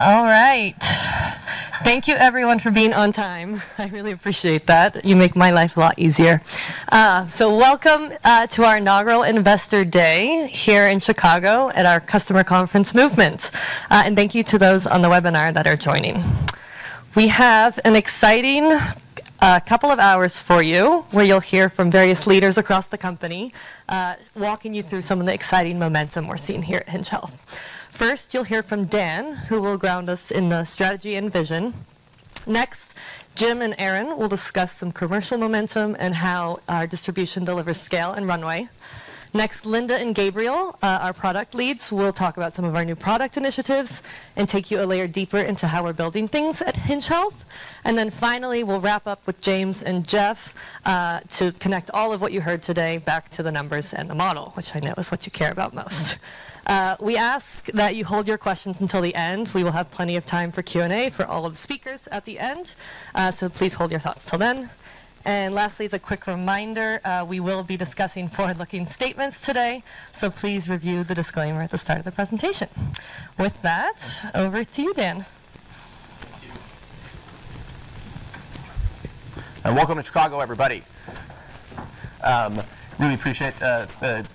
All right. Thank you everyone for being on time. I really appreciate that. You make my life a lot easier. Welcome to our inaugural Investor Day here in Chicago at our customer conference Movement. Thank you to those on the webinar that are joining. We have an exciting couple of hours for you, where you'll hear from various leaders across the company, walking you through some of the exciting momentum we're seeing here at Hinge Health. First, you'll hear from Dan, who will ground us in the strategy and vision. Next, Jim and Aaryn will discuss some commercial momentum and how our distribution delivers scale and runway. Next, Linda and Gabriel, our product leads, will talk about some of our new product initiatives and take you a layer deeper into how we're building things at Hinge Health. Finally, we'll wrap up with James and Jeff, to connect all of what you heard today back to the numbers and the model, which I know is what you care about most. We ask that you hold your questions until the end. We will have plenty of time for Q&A for all of the speakers at the end, so please hold your thoughts till then. Lastly, as a quick reminder, we will be discussing forward-looking statements today, so please review the disclaimer at the start of the presentation. With that, over to you, Dan. Thank you. Welcome to Chicago, everybody. Really appreciate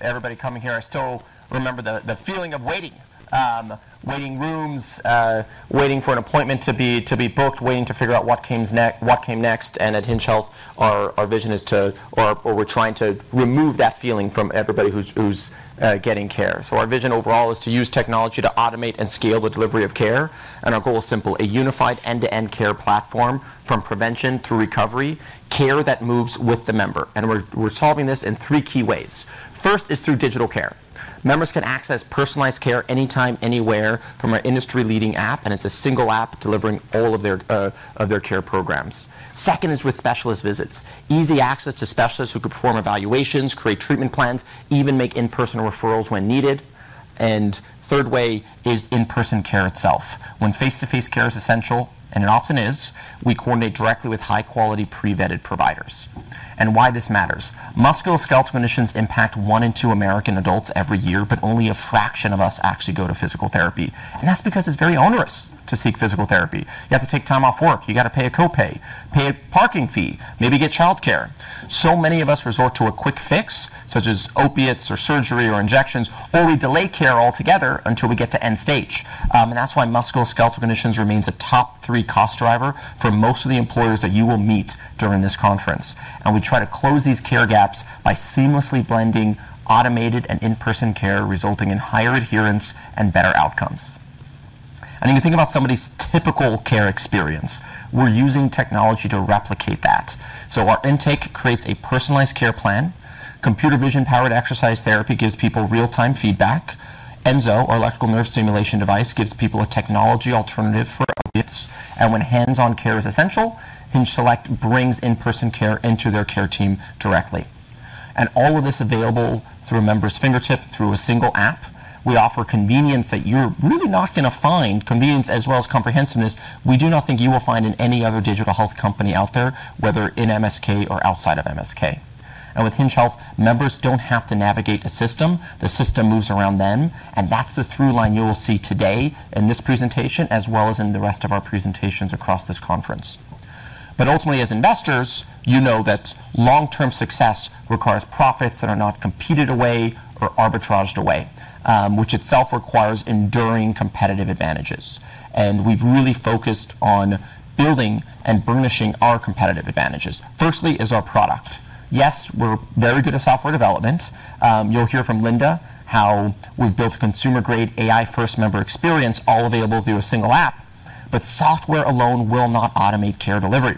everybody coming here. I still remember the feeling of waiting. Waiting rooms, waiting for an appointment to be booked, waiting to figure out what came next. At Hinge Health our vision is to remove that feeling from everybody who's getting care. Our vision overall is to use technology to automate and scale the delivery of care, our goal is simple: a unified end-to-end care platform from prevention through recovery, care that moves with the member. We're solving this in three key ways. First is through digital care. Members can access personalized care anytime, anywhere from our industry-leading app, and it's a single app delivering all of their care programs. Second is with specialist visits. Easy access to specialists who can perform evaluations, create treatment plans, even make in-person referrals when needed. Third way is in-person care itself. When face-to-face care is essential, and it often is, we coordinate directly with high-quality pre-vetted providers. Why this matters. Musculoskeletal conditions impact one in two American adults every year, but only a fraction of us actually go to physical therapy. That's because it's very onerous to seek physical therapy. You got to pay a copay, pay a parking fee, maybe get childcare. Many of us resort to a quick fix, such as opiates or surgery or injections, or we delay care altogether until we get to end stage. That's why musculoskeletal conditions remains a top-three cost driver for most of the employers that you will meet during this conference. We try to close these care gaps by seamlessly blending automated and in-person care, resulting in higher adherence and better outcomes. If you think about somebody's typical care experience, we're using technology to replicate that. Our intake creates a personalized care plan. Computer vision-powered exercise therapy gives people real-time feedback. Enso, our electrical nerve stimulation device, gives people a technology alternative for opiates. When hands-on care is essential, HingeSelect brings in-person care into their care team directly. All of this available through a member's fingertip through a single app. We offer convenience that you're really not going to find, convenience as well as comprehensiveness, we do not think you will find in any other digital health company out there, whether in MSK or outside of MSK. With Hinge Health, members don't have to navigate a system. The system moves around them, and that's the through line you will see today in this presentation, as well as in the rest of our presentations across this conference. Ultimately, as investors, you know that long-term success requires profits that are not competed away or arbitraged away, which itself requires enduring competitive advantages. We've really focused on building and burnishing our competitive advantages. Firstly is our product. Yes, we're very good at software development. You'll hear from Linda how we've built a consumer-grade AI first member experience all available through a single app. Software alone will not automate care delivery.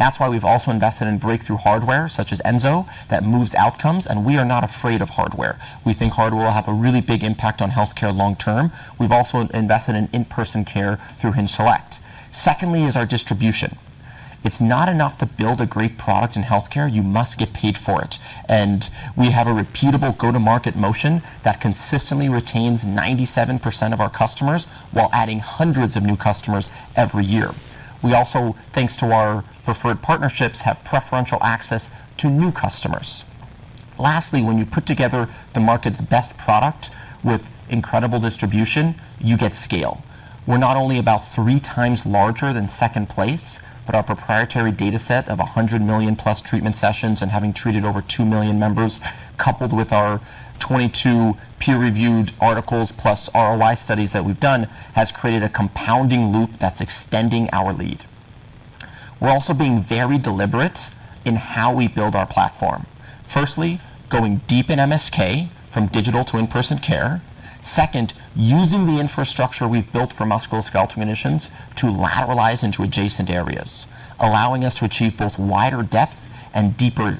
That's why we've also invested in breakthrough hardware such as Enso, that moves outcomes, and we are not afraid of hardware. We think hardware will have a really big impact on healthcare long term. We've also invested in in-person care through HingeSelect. Secondly is our distribution. It's not enough to build a great product in healthcare. You must get paid for it. We have a repeatable go-to-market motion that consistently retains 97% of our customers while adding hundreds of new customers every year. We also, thanks to our preferred partnerships, have preferential access to new customers. Lastly, when you put together the market's best product with incredible distribution, you get scale. We're not only about three times larger than second place, but our proprietary dataset of 100 million plus treatment sessions and having treated over 2 million members, coupled with our 22 peer-reviewed articles plus ROI studies that we've done, has created a compounding loop that's extending our lead. We're also being very deliberate in how we build our platform. Firstly, going deep in MSK from digital to in-person care. Second, using the infrastructure we've built for musculoskeletal conditions to lateralize into adjacent areas, allowing us to achieve both wider breadth and deeper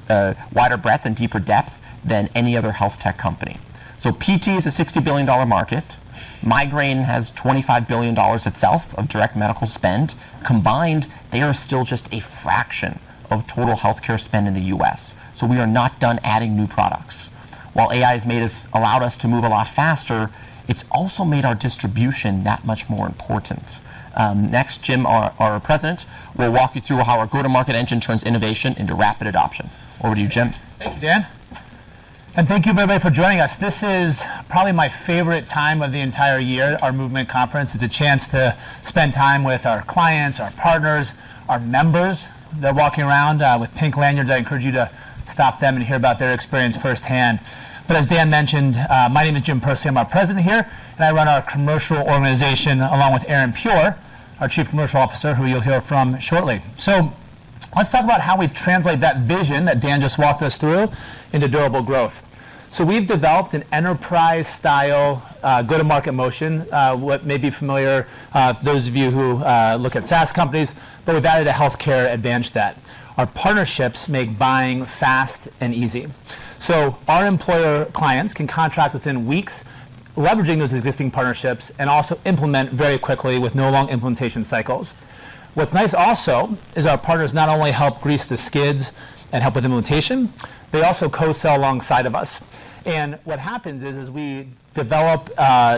depth than any other health tech company. PT is a $60 billion market. Migraine has $25 billion itself of direct medical spend. Combined, they are still just a fraction of total healthcare spend in the U.S., so we are not done adding new products. While AI has allowed us to move a lot faster, it's also made our distribution that much more important. Next, Jim, our President, will walk you through how our go-to-market engine turns innovation into rapid adoption. Over to you, Jim. Thank you, Dan. Thank you everybody for joining us. This is probably my favorite time of the entire year. Our Movement conference is a chance to spend time with our clients, our partners, our members that are walking around with pink lanyards. I encourage you to stop them and hear about their experience firsthand. As Dan mentioned, my name is Jim Pursley. I'm our president here, and I run our commercial organization along with Aaryn Pure, our Chief Commercial Officer, who you'll hear from shortly. Let's talk about how we translate that vision that Dan just walked us through into durable growth. We've developed an enterprise-style go-to-market motion, what may be familiar for those of you who look at SaaS companies, we've added a healthcare advantage that our partnerships make buying fast and easy. Our employer clients can contract within weeks, leveraging those existing partnerships, and also implement very quickly with no long implementation cycles. What's nice also is our partners not only help grease the skids and help with implementation, they also co-sell alongside of us. What happens is, as we develop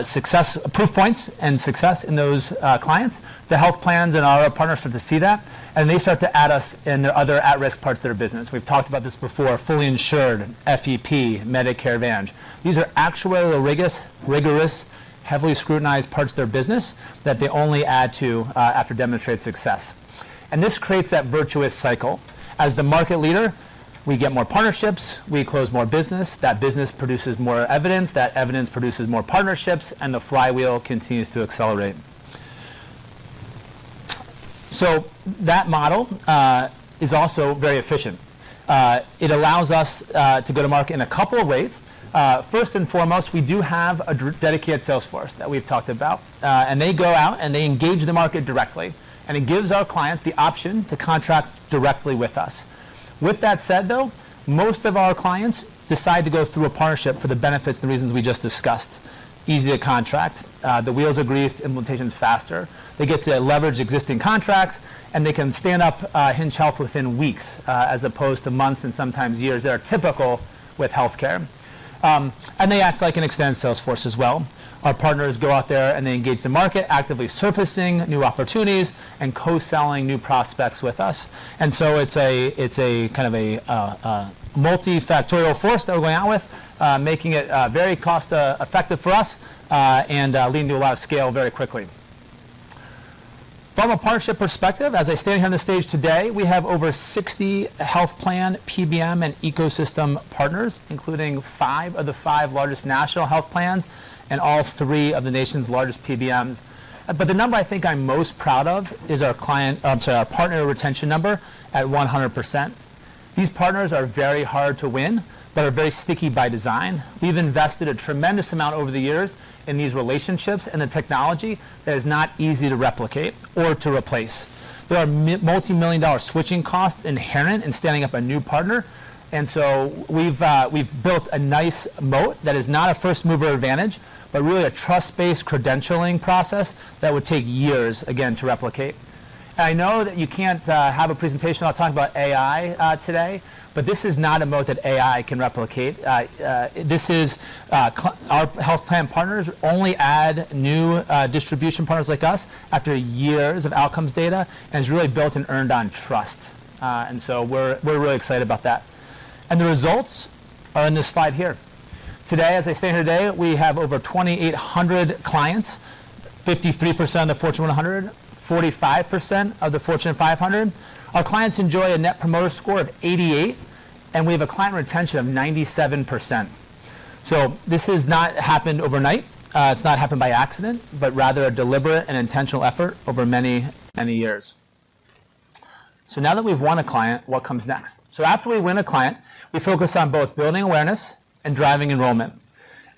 success proof points and success in those clients, the health plans and our partners start to see that, they start to add us into other at-risk parts of their business. We've talked about this before, fully insured FEP Medicare Advantage. These are actuarially rigorous, heavily scrutinized parts of their business that they only add to after demonstrated success. This creates that virtuous cycle. As the market leader, we get more partnerships, we close more business, that business produces more evidence, that evidence produces more partnerships, the flywheel continues to accelerate. That model is also very efficient. It allows us to go to market in a couple of ways. First and foremost, we do have a dedicated sales force that we've talked about. They go out and they engage the market directly, it gives our clients the option to contract directly with us. With that said, though, most of our clients decide to go through a partnership for the benefits and reasons we just discussed. Easier to contract. The wheels are greased, implementation's faster. They get to leverage existing contracts, they can stand up Hinge Health within weeks, as opposed to months and sometimes years that are typical with healthcare. They act like an extended sales force as well. Our partners go out there and they engage the market, actively surfacing new opportunities co-selling new prospects with us. It's a kind of a multifactorial force that we're going out with, making it very cost-effective for us, and leading to a lot of scale very quickly. From a partnership perspective, as I stand here on the stage today, we have over 60 health plan PBM and ecosystem partners, including five of the five largest national health plans and all three of the nation's largest PBMs. The number I think I'm most proud of is our partner retention number at 100%. These partners are very hard to win but are very sticky by design. We've invested a tremendous amount over the years in these relationships and the technology that is not easy to replicate or to replace. There are multimillion-dollar switching costs inherent in standing up a new partner, we've built a nice moat that is not a first-mover advantage, but really a trust-based credentialing process that would take years, again, to replicate. I know that you can't have a presentation without talking about AI today, this is not a moat that AI can replicate. Our health plan partners only add new distribution partners like us after years of outcomes data, it's really built and earned on trust. We're really excited about that. The results are in this slide here. Today, as I stand here today, we have over 2,800 clients, 53% of the Fortune 100, 45% of the Fortune 500. Our clients enjoy a net promoter score of 88, and we have a client retention of 97%. This has not happened overnight. It's not happened by accident, but rather a deliberate and intentional effort over many, many years. Now that we've won a client, what comes next? After we win a client, we focus on both building awareness and driving enrollment.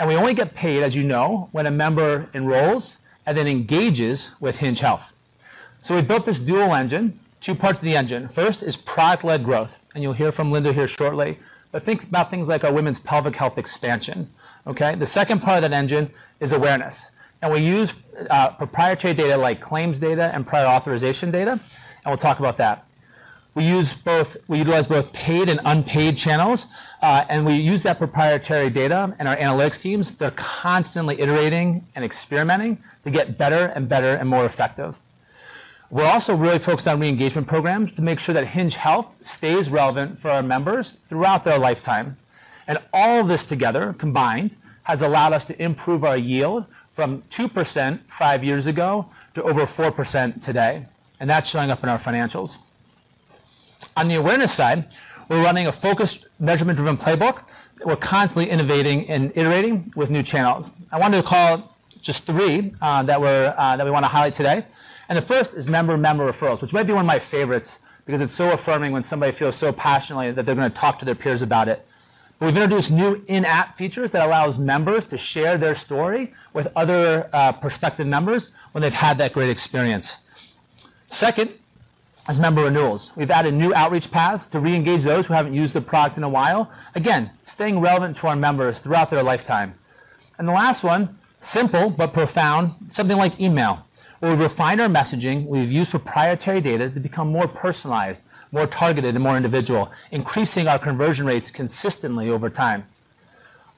We only get paid, as you know, when a member enrolls and then engages with Hinge Health. We built this dual engine, two parts of the engine. First is product-led growth, and you'll hear from Linda here shortly. Think about things like our women's pelvic health expansion. Okay? The second part of that engine is awareness, we use proprietary data like claims data and prior authorization data, we'll talk about that. We utilize both paid and unpaid channels. We use that proprietary data and our analytics teams, they're constantly iterating and experimenting to get better and better and more effective. We're also really focused on re-engagement programs to make sure that Hinge Health stays relevant for our members throughout their lifetime. All this together, combined, has allowed us to improve our yield from 2% five years ago to over 4% today, that's showing up in our financials. On the awareness side, we're running a focused measurement-driven playbook that we're constantly innovating and iterating with new channels. I wanted to call just three that we want to highlight today. The first is member-member referrals, which might be one of my favorites because it's so affirming when somebody feels so passionately that they're going to talk to their peers about it. We've introduced new in-app features that allows members to share their story with other prospective members when they've had that great experience. Second is member renewals. We've added new outreach paths to re-engage those who haven't used the product in a while. Again, staying relevant to our members throughout their lifetime. The last one, simple but profound, something like email, where we refine our messaging, we've used proprietary data to become more personalized, more targeted, and more individual, increasing our conversion rates consistently over time.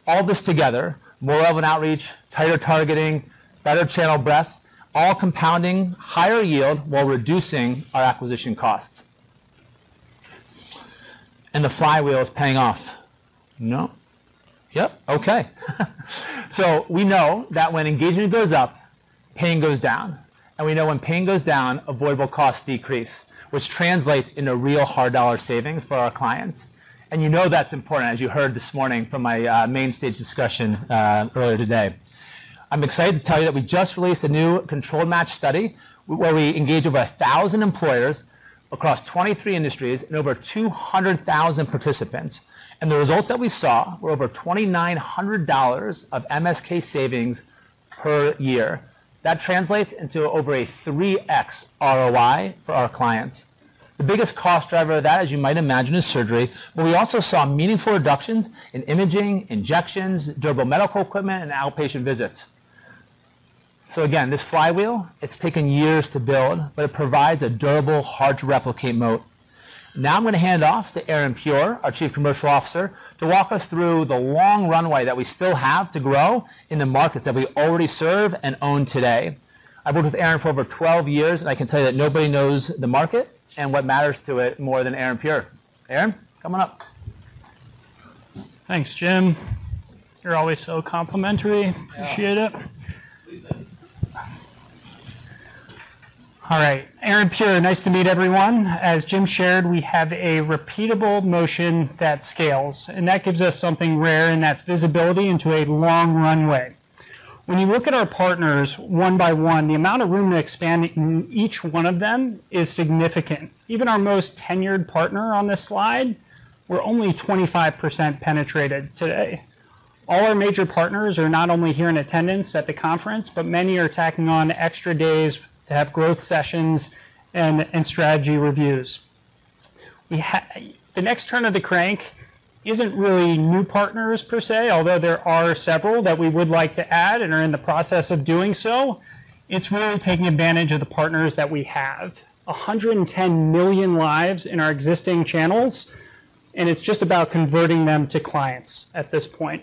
All this together, more relevant outreach, tighter targeting, better channel breadth, all compounding higher yield while reducing our acquisition costs. The flywheel is paying off. No? Yep. Okay. We know that when engagement goes up, pain goes down. We know when pain goes down, avoidable costs decrease, which translates into real hard dollar savings for our clients. You know that's important, as you heard this morning from my main stage discussion earlier today. I'm excited to tell you that we just released a new control match study where we engage over 1,000 employers across 23 industries and over 200,000 participants. The results that we saw were over $2,900 of MSK savings per year. That translates into over a 3x ROI for our clients. The biggest cost driver of that, as you might imagine, is surgery, but we also saw meaningful reductions in imaging, injections, durable medical equipment, and outpatient visits. Again, this flywheel, it's taken years to build, but it provides a durable, hard-to-replicate moat. I'm going to hand off to Aaryn Pure, our Chief Commercial Officer, to walk us through the long runway that we still have to grow in the markets that we already serve and own today. I've worked with Aaryn for over 12 years, I can tell you that nobody knows the market and what matters to it more than Aaryn Pure. Aaryn, come on up. Thanks, Jim. You're always so complimentary. Yeah. Appreciate it. All right. Aaryn Pure, nice to meet everyone. As Jim shared, we have a repeatable motion that scales, that gives us something rare, that's visibility into a long runway. When you look at our partners one by one, the amount of room to expand in each one of them is significant. Even our most tenured partner on this slide, we're only 25% penetrated today. All our major partners are not only here in attendance at the conference, many are tacking on extra days to have growth sessions and strategy reviews. The next turn of the crank isn't really new partners per se, there are several that we would like to add and are in the process of doing so. It's really taking advantage of the partners that we have. 110 million lives in our existing channels, it's just about converting them to clients at this point.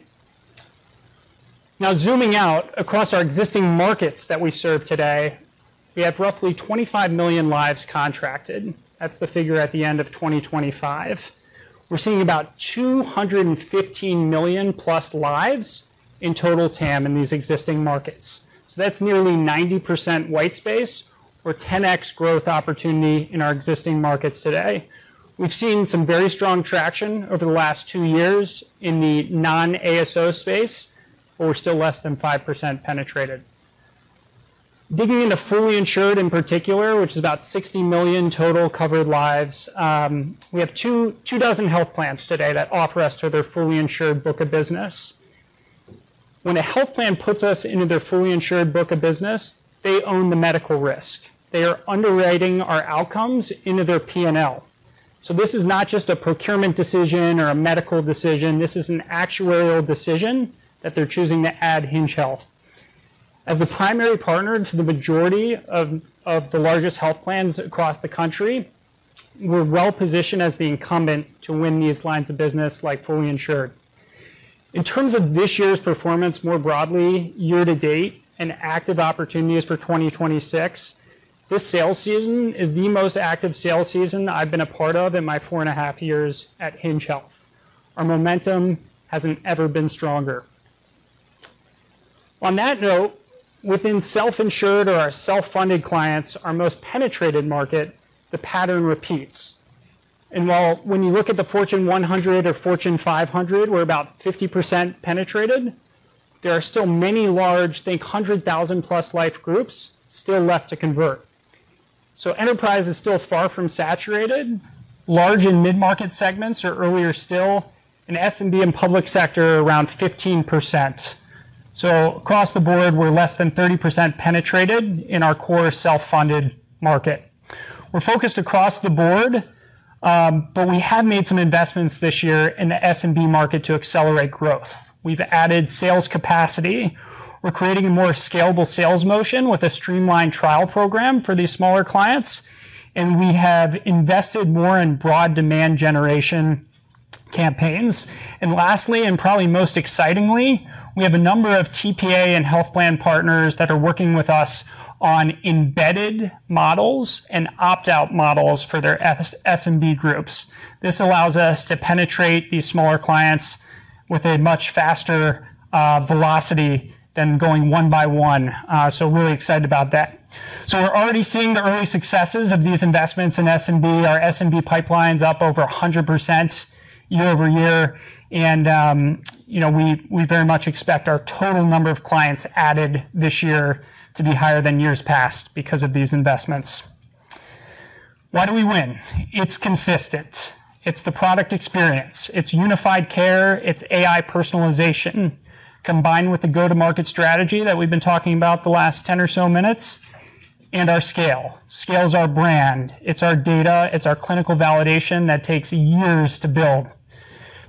Zooming out, across our existing markets that we serve today, we have roughly 25 million lives contracted. That's the figure at the end of 2025. We're seeing about 215 million+ lives in total TAM in these existing markets. That's nearly 90% white space or 10x growth opportunity in our existing markets today. We've seen some very strong traction over the last two years in the non-ASO space. We're still less than 5% penetrated. Digging into fully insured in particular, which is about 60 million total covered lives, we have two dozen health plans today that offer us to their fully insured book of business. When a health plan puts us into their fully insured book of business, they own the medical risk. They are underwriting our outcomes into their P&L. This is not just a procurement decision or a medical decision, this is an actuarial decision that they're choosing to add Hinge Health. As the primary partner to the majority of the largest health plans across the country, we're well-positioned as the incumbent to win these lines of business like fully insured. In terms of this year's performance more broadly year to date and active opportunities for 2026, this sales season is the most active sales season I've been a part of in my 4.5years at Hinge Health. Our momentum hasn't ever been stronger. On that note, within self-insured or our self-funded clients, our most penetrated market, the pattern repeats. While when you look at the Fortune 100 or Fortune 500, we're about 50% penetrated, there are still many large, think 100,000+ life groups still left to convert. Enterprise is still far from saturated. Large and mid-market segments are earlier still. In SMB and public sector, around 15%. Across the board, we're less than 30% penetrated in our core self-funded market. We're focused across the board, but we have made some investments this year in the SMB market to accelerate growth. We've added sales capacity. We're creating a more scalable sales motion with a streamlined trial program for these smaller clients, and we have invested more in broad demand generation campaigns. Lastly, and probably most excitingly, we have a number of TPA and health plan partners that are working with us on embedded models and opt-out models for their SMB groups. This allows us to penetrate these smaller clients with a much faster velocity than going one by one. Really excited about that. We're already seeing the early successes of these investments in SMB. Our SMB pipeline's up over 100% year-over-year. We very much expect our total number of clients added this year to be higher than years past because of these investments. Why do we win? It's consistent. It's the product experience. It's unified care. It's AI personalization, combined with the go-to-market strategy that we've been talking about the last 10 or so minutes, and our scale. Scale is our brand. It's our data. It's our clinical validation that takes years to build.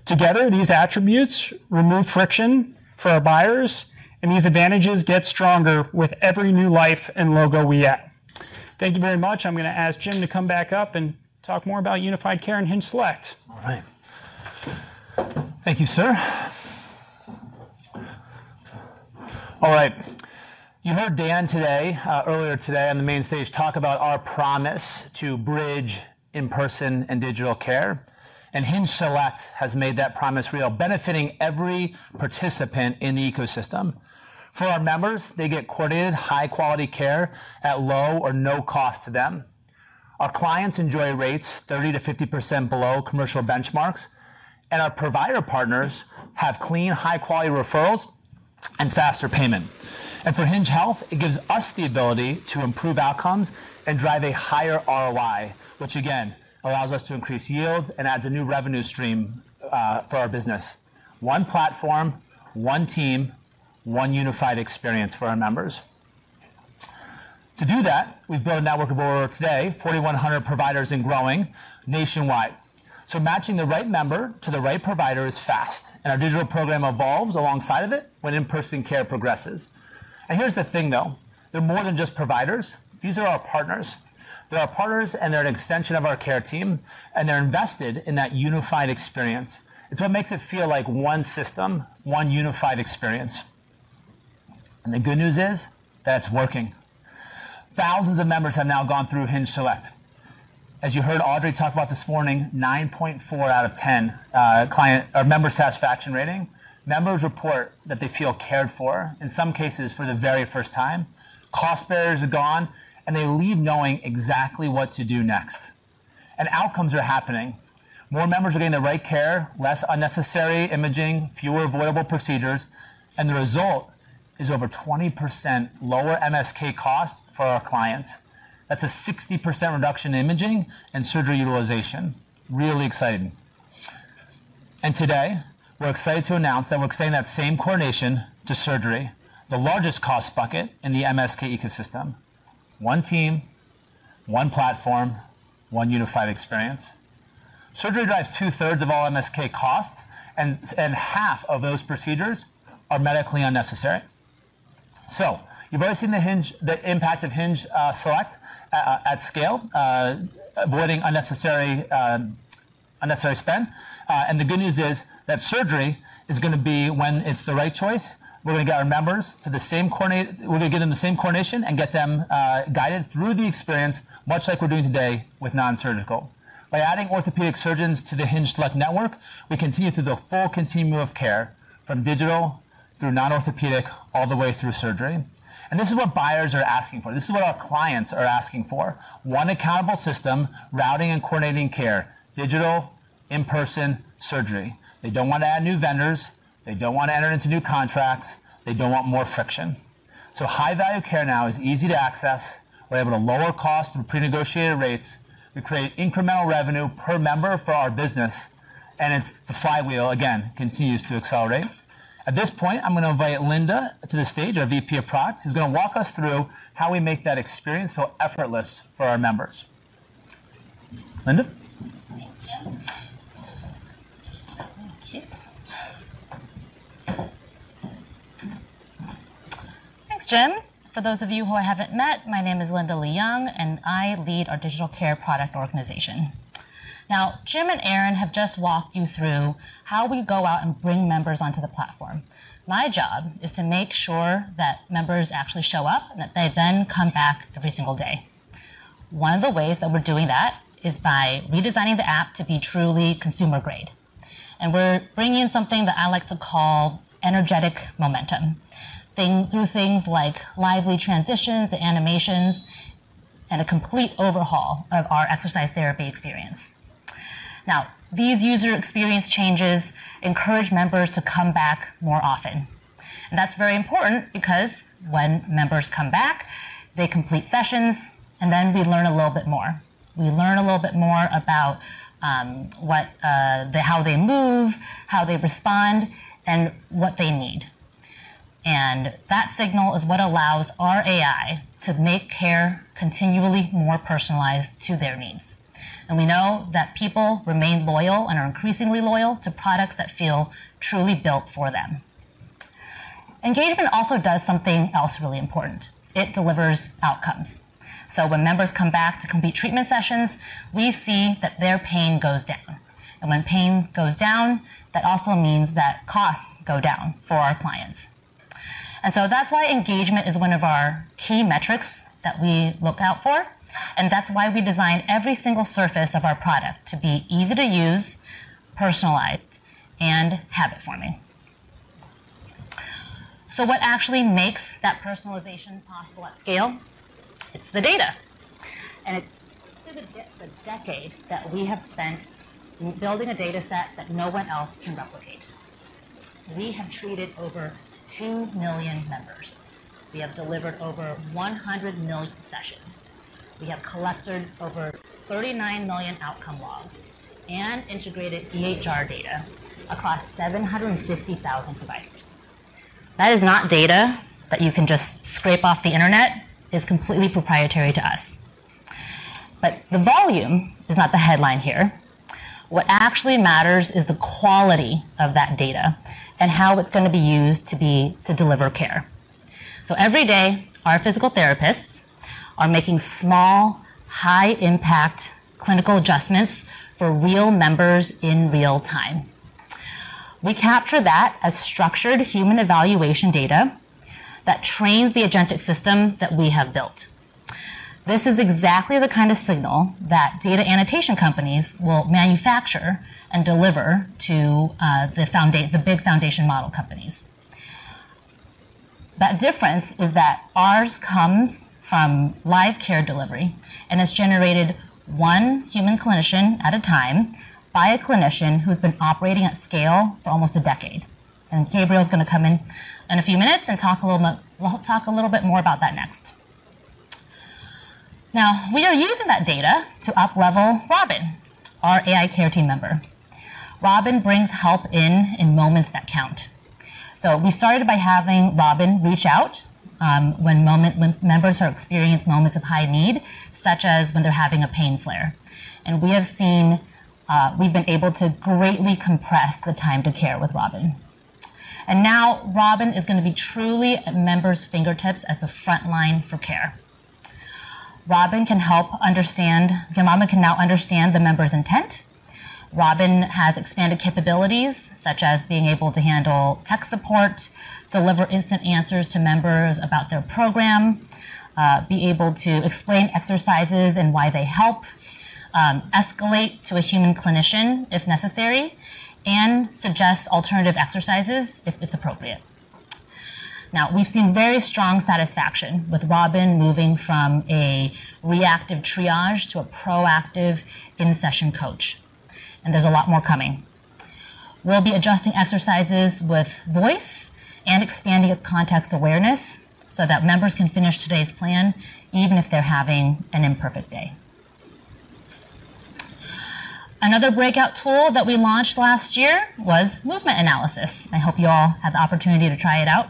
Together, these attributes remove friction for our buyers, and these advantages get stronger with every new life and logo we add. Thank you very much. I'm going to ask Jim to come back up and talk more about unified care and HingeSelect. All right. Thank you, sir. All right. You heard Dan earlier today on the main stage talk about our promise to bridge in-person and digital care. HingeSelect has made that promise real, benefiting every participant in the ecosystem. For our members, they get coordinated high-quality care at low or no cost to them. Our clients enjoy rates 30%-50% below commercial benchmarks. Our provider partners have clean, high-quality referrals and faster payment. For Hinge Health, it gives us the ability to improve outcomes and drive a higher ROI, which again, allows us to increase yield and adds a new revenue stream for our business. One platform, one team, one unified experience for our members. To do that, we've built a network of over, today, 4,100 providers and growing nationwide. Matching the right member to the right provider is fast. Our digital program evolves alongside of it when in-person care progresses. Here's the thing, though, they're more than just providers. These are our partners. They're our partners. They're an extension of our care team. They're invested in that unified experience. It's what makes it feel like one system, one unified experience. The good news is that it's working. Thousands of members have now gone through HingeSelect. As you heard Audrey talk about this morning, 9.4 out of 10 member satisfaction rating. Members report that they feel cared for, in some cases, for the very first time. Cost barriers are gone. They leave knowing exactly what to do next. Outcomes are happening. More members are getting the right care, less unnecessary imaging, fewer avoidable procedures. The result is over 20% lower MSK costs for our clients. That's a 60% reduction in imaging and surgery utilization. Really exciting. Today, we're excited to announce that we're extending that same coordination to surgery, the largest cost bucket in the MSK ecosystem. One team, one platform, one unified experience. Surgery drives 2/3 of all MSK costs and half of those procedures are medically unnecessary. You've already seen the impact of HingeSelect at scale, avoiding unnecessary spend. The good news is that surgery is going to be when it's the right choice. We're going to give our members the same coordination and get them guided through the experience, much like we're doing today with non-surgical. By adding orthopedic surgeons to the HingeSelect network, we continue through the full continuum of care, from digital through non-orthopedic, all the way through surgery. This is what buyers are asking for. This is what our clients are asking for. One accountable system, routing and coordinating care, digital, in-person, surgery. They don't want to add new vendors. They don't want to enter into new contracts. They don't want more friction. High-value care now is easy to access. We're able to lower cost through pre-negotiated rates. We create incremental revenue per member for our business. The flywheel again continues to accelerate. At this point, I'm going to invite Linda to the stage, our VP of Product, who's going to walk us through how we make that experience feel effortless for our members. Linda? Thanks, Jim. Thank you. Thanks, Jim. For those of you who I haven't met, my name is Linda Leung, and I lead our digital care product organization. Jim and Aaryn have just walked you through how we go out and bring members onto the platform. My job is to make sure that members actually show up and that they then come back every single day. One of the ways that we're doing that is by redesigning the app to be truly consumer-grade, and we're bringing in something that I like to call energetic momentum through things like lively transitions, animations, and a complete overhaul of our exercise therapy experience. These user experience changes encourage members to come back more often, and that's very important because when members come back, they complete sessions, and we learn a little bit more. We learn a little bit more about how they move, how they respond, and what they need. That signal is what allows our AI to make care continually more personalized to their needs. We know that people remain loyal and are increasingly loyal to products that feel truly built for them. Engagement also does something else really important. It delivers outcomes. When members come back to complete treatment sessions, we see that their pain goes down. When pain goes down, that also means that costs go down for our clients. That's why engagement is one of our key metrics that we look out for, and that's why we design every single surface of our product to be easy to use, personalized, and habit-forming. What actually makes that personalization possible at scale? It's the data, and it's through the decade that we have spent building a data set that no one else can replicate. We have treated over 2 million members. We have delivered over 100 million sessions. We have collected over 39 million outcome logs and integrated EHR data across 750,000 providers. That is not data that you can just scrape off the internet. It's completely proprietary to us. The volume is not the headline here. What actually matters is the quality of that data and how it's going to be used to deliver care. Every day, our physical therapists are making small, high impact clinical adjustments for real members in real time. We capture that as structured human evaluation data that trains the agentic system that we have built. This is exactly the kind of signal that data annotation companies will manufacture and deliver to the big foundation model companies. That difference is that ours comes from live care delivery and is generated one human clinician at a time by a clinician who's been operating at scale for almost a decade. Gabriel's going to come in in a few minutes and we'll talk a little bit more about that next. We are using that data to up-level Robin, our AI care team member. Robin brings help in moments that count. We started by having Robin reach out when members experience moments of high need, such as when they're having a pain flare. We've been able to greatly compress the time to care with Robin. Robin is going to be truly at members' fingertips as the front line for care. Robin can now understand the member's intent. Robin has expanded capabilities such as being able to handle tech support, deliver instant answers to members about their program, be able to explain exercises and why they help, escalate to a human clinician if necessary, and suggest alternative exercises if it's appropriate. We've seen very strong satisfaction with Robin moving from a reactive triage to a proactive in-session coach. There's a lot more coming. We'll be adjusting exercises with voice and expanding its context awareness so that members can finish today's plan even if they're having an imperfect day. Another breakout tool that we launched last year was movement analysis. I hope you all had the opportunity to try it out,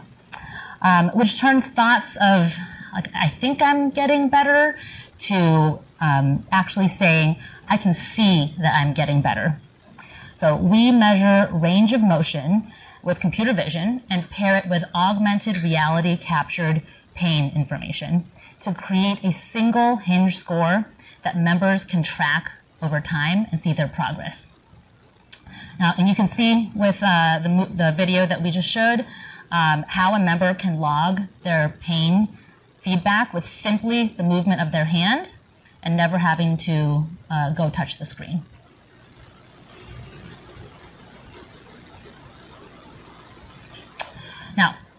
which turns thoughts of, "I think I'm getting better," to actually saying, "I can see that I'm getting better." We measure range of motion with computer vision and pair it with augmented reality-captured pain information to create a single Hinge Score that members can track over time and see their progress. You can see with the video that we just showed, how a member can log their pain feedback with simply the movement of their hand and never having to go touch the screen.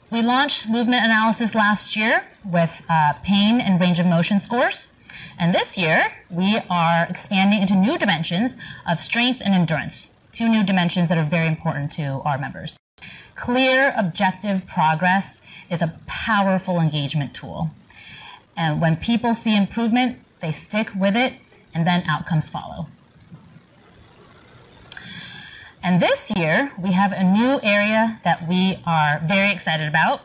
We launched movement analysis last year with pain and range of motion scores, this year we are expanding into new dimensions of strength and endurance. Two new dimensions that are very important to our members. Clear, objective progress is a powerful engagement tool. When people see improvement, they stick with it, outcomes follow. This year, we have a new area that we are very excited about: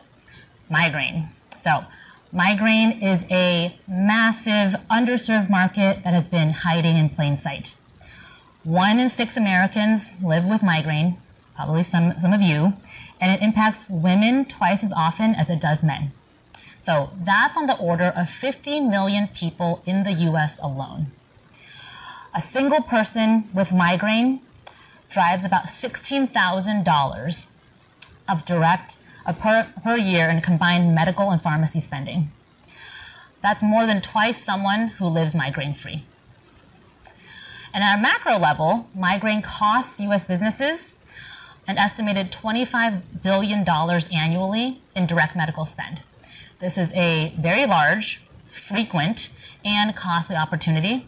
migraine. Migraine is a massive underserved market that has been hiding in plain sight. One in six Americans live with migraine, probably some of you, it impacts women twice as often as it does men. That's on the order of 50 million people in the U.S. alone. A single person with migraine drives about $16,000 per year in combined medical and pharmacy spending. That's more than twice someone who lives migraine-free. At a macro level, migraine costs U.S. businesses an estimated $25 billion annually in direct medical spend. This is a very large, frequent, and costly opportunity,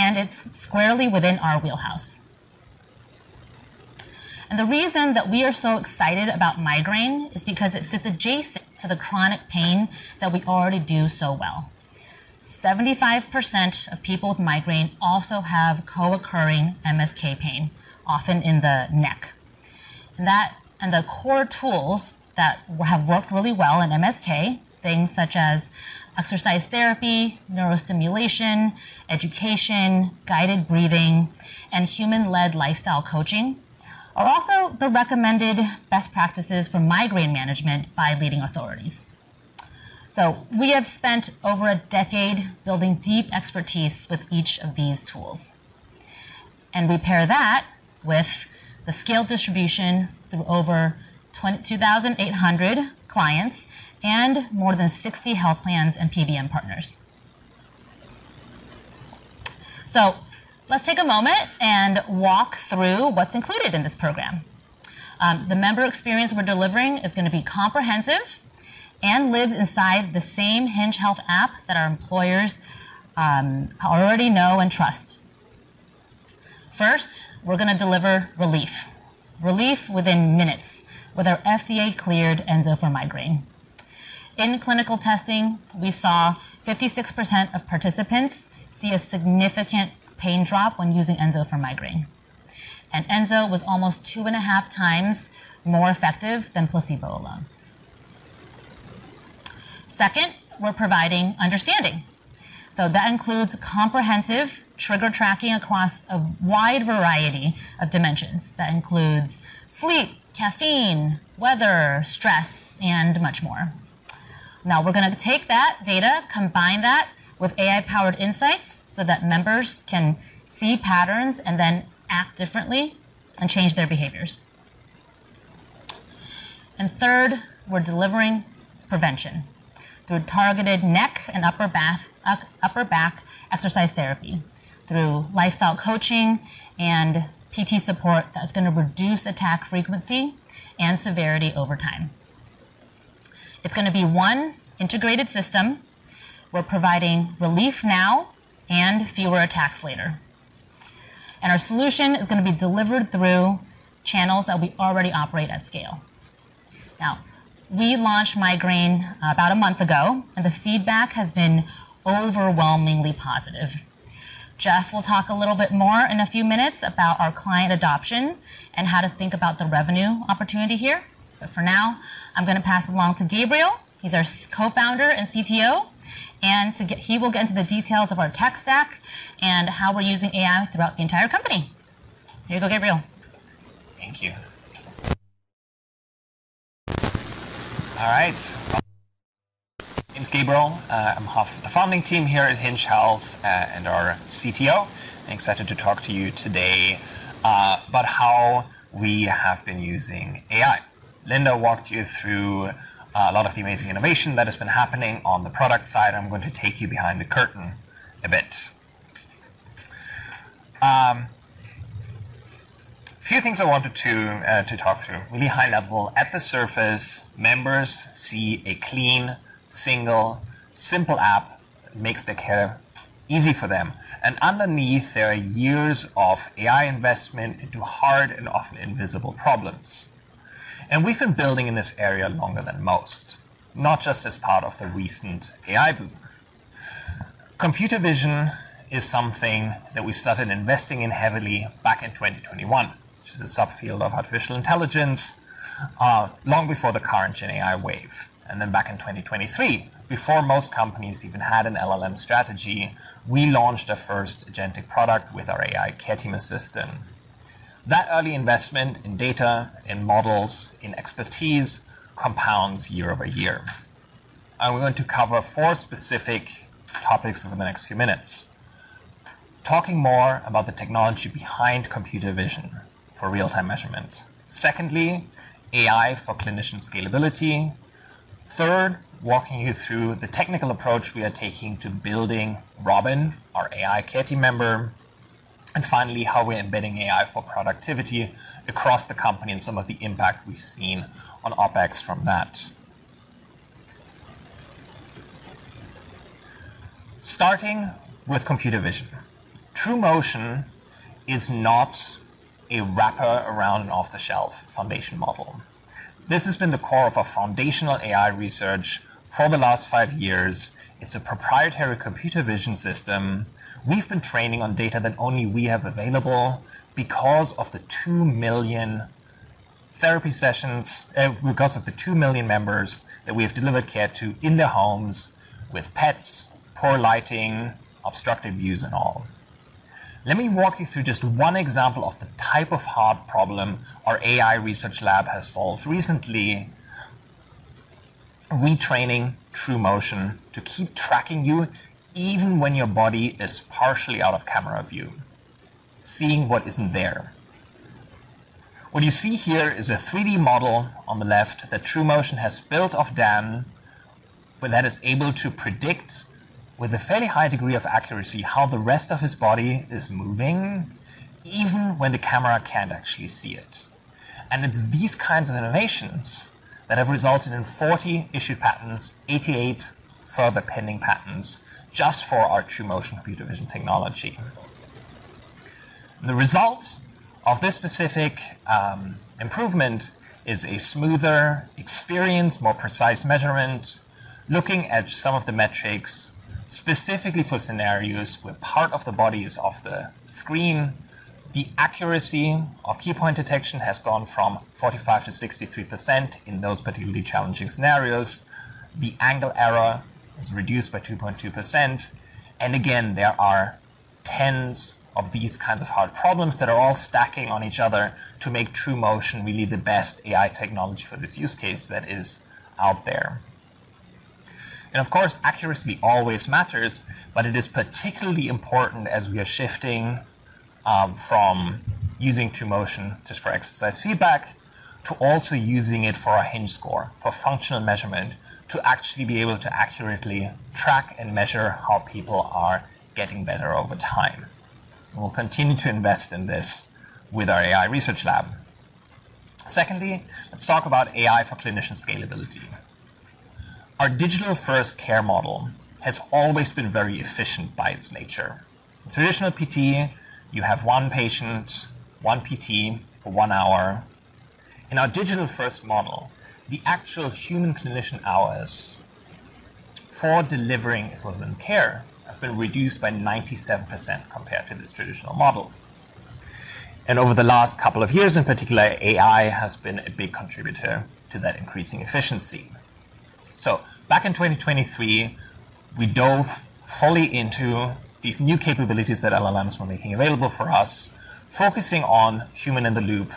it's squarely within our wheelhouse. The reason that we are so excited about migraine is because it sits adjacent to the chronic pain that we already do so well. 75% of people with migraine also have co-occurring MSK pain, often in the neck. The core tools that have worked really well in MSK, things such as exercise therapy, neurostimulation, education, guided breathing, and human-led lifestyle coaching, are also the recommended best practices for migraine management by leading authorities. We have spent over a decade building deep expertise with each of these tools, we pair that with the scale distribution through over 22,800 clients and more than 60 health plans and PBM partners. Let's take a moment and walk through what's included in this program. The member experience we're delivering is going to be comprehensive and live inside the same Hinge Health app that our employers already know and trust. First, we're going to deliver relief. Relief within minutes with our FDA-cleared Enso for migraine. In clinical testing, we saw 56% of participants see a significant pain drop when using Enso for migraine. Enso was almost two and a half times more effective than placebo alone. Second, we're providing understanding. That includes comprehensive trigger tracking across a wide variety of dimensions. That includes sleep, caffeine, weather, stress, and much more. Now we're going to take that data, combine that with AI-powered insights so that members can see patterns and then act differently and change their behaviors. Third, we're delivering prevention through targeted neck and upper back exercise therapy, through lifestyle coaching and PT support that's going to reduce attack frequency and severity over time. It's going to be one integrated system. We're providing relief now and fewer attacks later. Our solution is going to be delivered through channels that we already operate at scale. Now, we launched migraine about a month ago, and the feedback has been overwhelmingly positive. Jeff will talk a little bit more in a few minutes about our client adoption and how to think about the revenue opportunity here. For now, I'm going to pass it along to Gabriel. He's our co-founder and CTO, and he will get into the details of our tech stack and how we're using AI throughout the entire company. Here you go, Gabriel. Thank you. All right. My name's Gabriel. I'm the founding team here at Hinge Health, and our CTO, and excited to talk to you today about how we have been using AI. Linda walked you through a lot of the amazing innovation that has been happening on the product side. I'm going to take you behind the curtain a bit. A few things I wanted to talk through. Really high level. At the surface, members see a clean, single, simple app makes the care easy for them. Underneath, there are years of AI investment into hard and often invisible problems. We've been building in this area longer than most, not just as part of the recent AI boom. Computer vision is something that we started investing in heavily back in 2021, which is a subfield of artificial intelligence, long before the current GenAI wave. Back in 2023, before most companies even had an LLM strategy, we launched our first agentic product with our AI care team assistant. That early investment in data, in models, in expertise compounds year over year. I'm going to cover four specific topics over the next few minutes. Talking more about the technology behind computer vision for real-time measurement. Secondly, AI for clinician scalability. Third, walking you through the technical approach we are taking to building Robin, our AI care team member. Finally, how we're embedding AI for productivity across the company and some of the impact we've seen on OpEx from that. Starting with computer vision. TrueMotion is not a wrapper around an off-the-shelf foundation model. This has been the core of our foundational AI research for the last five years. It's a proprietary computer vision system. We've been training on data that only we have available because of the 2 million members that we have delivered care to in their homes with pets, poor lighting, obstructed views, and all. Let me walk you through just one example of the type of hard problem our AI research lab has solved recently, retraining TrueMotion to keep tracking you even when your body is partially out of camera view, seeing what isn't there. What you see here is a 3D model on the left that TrueMotion has built of Dan, where that is able to predict with a fairly high degree of accuracy how the rest of his body is moving, even when the camera can't actually see it. It's these kinds of innovations that have resulted in 40 issued patents, 88 further pending patents just for our TrueMotion computer vision technology. The result of this specific improvement is a smoother experience, more precise measurement. Looking at some of the metrics specifically for scenarios where part of the body is off the screen, the accuracy of key point detection has gone from 45% to 63% in those particularly challenging scenarios. The angle error is reduced by 2.2%. Again, there are tens of these kinds of hard problems that are all stacking on each other to make TrueMotion really the best AI technology for this use case that is out there. Of course, accuracy always matters, but it is particularly important as we are shifting from using TrueMotion just for exercise feedback to also using it for our Hinge Score, for functional measurement to actually be able to accurately track and measure how people are getting better over time. We'll continue to invest in this with our AI research lab. Secondly, let's talk about AI for clinician scalability. Our digital-first care model has always been very efficient by its nature. Traditional PT, you have one patient, one PT for one hour. In our digital-first model, the actual human clinician hours for delivering equivalent care have been reduced by 97% compared to this traditional model. Over the last couple of years, in particular, AI has been a big contributor to that increasing efficiency. Back in 2023, we dove fully into these new capabilities that LLMs were making available for us, focusing on human-in-the-loop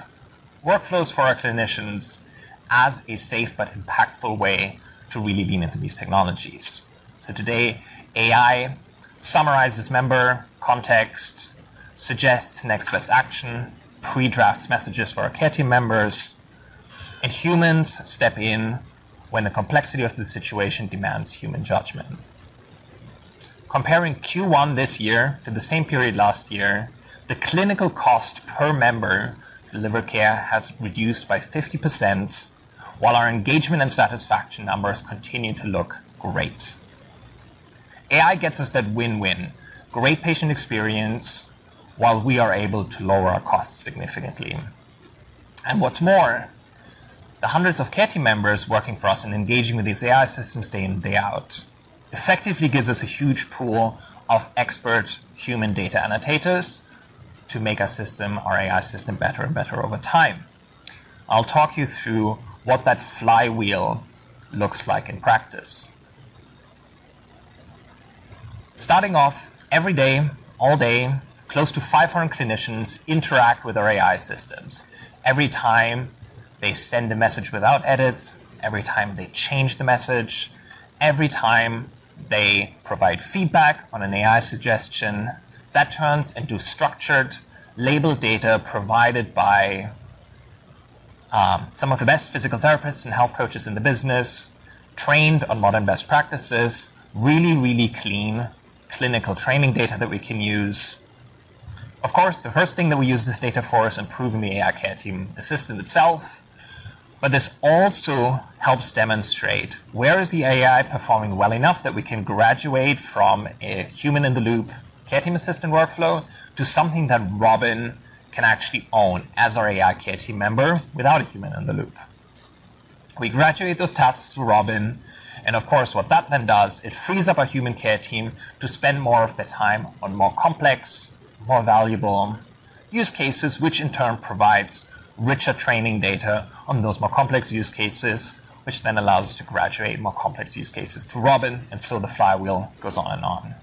workflows for our clinicians as a safe but impactful way to really lean into these technologies. Today, AI summarizes member context, suggests next best action, pre-drafts messages for our care team members, and humans step in when the complexity of the situation demands human judgment. Comparing Q1 this year to the same period last year, the clinical cost per member delivered care has reduced by 50%, while our engagement and satisfaction numbers continue to look great. AI gets us that win-win. Great patient experience while we are able to lower our costs significantly. What's more, the hundreds of care team members working for us and engaging with these AI systems day in, day out effectively gives us a huge pool of expert human data annotators to make our AI system better and better over time. I'll talk you through what that flywheel looks like in practice. Starting off every day, all day, close to 500 clinicians interact with our AI systems. Every time they send a message without edits, every time they change the message, every time they provide feedback on an AI suggestion, that turns into structured labeled data provided by some of the best physical therapists and health coaches in the business, trained on modern best practices. Really clean clinical training data that we can use. Of course, the first thing that we use this data for is improving the AI care team assistant itself, but this also helps demonstrate where is the AI performing well enough that we can graduate from a human-in-the-loop care team assistant workflow to something that Robin can actually own as our AI care team member without a human in the loop. We graduate those tasks to Robin, of course, what that then does, it frees up our human care team to spend more of their time on more complex, more valuable use cases, which in turn provides richer training data on those more complex use cases, which then allows us to graduate more complex use cases to Robin, the flywheel goes on and on.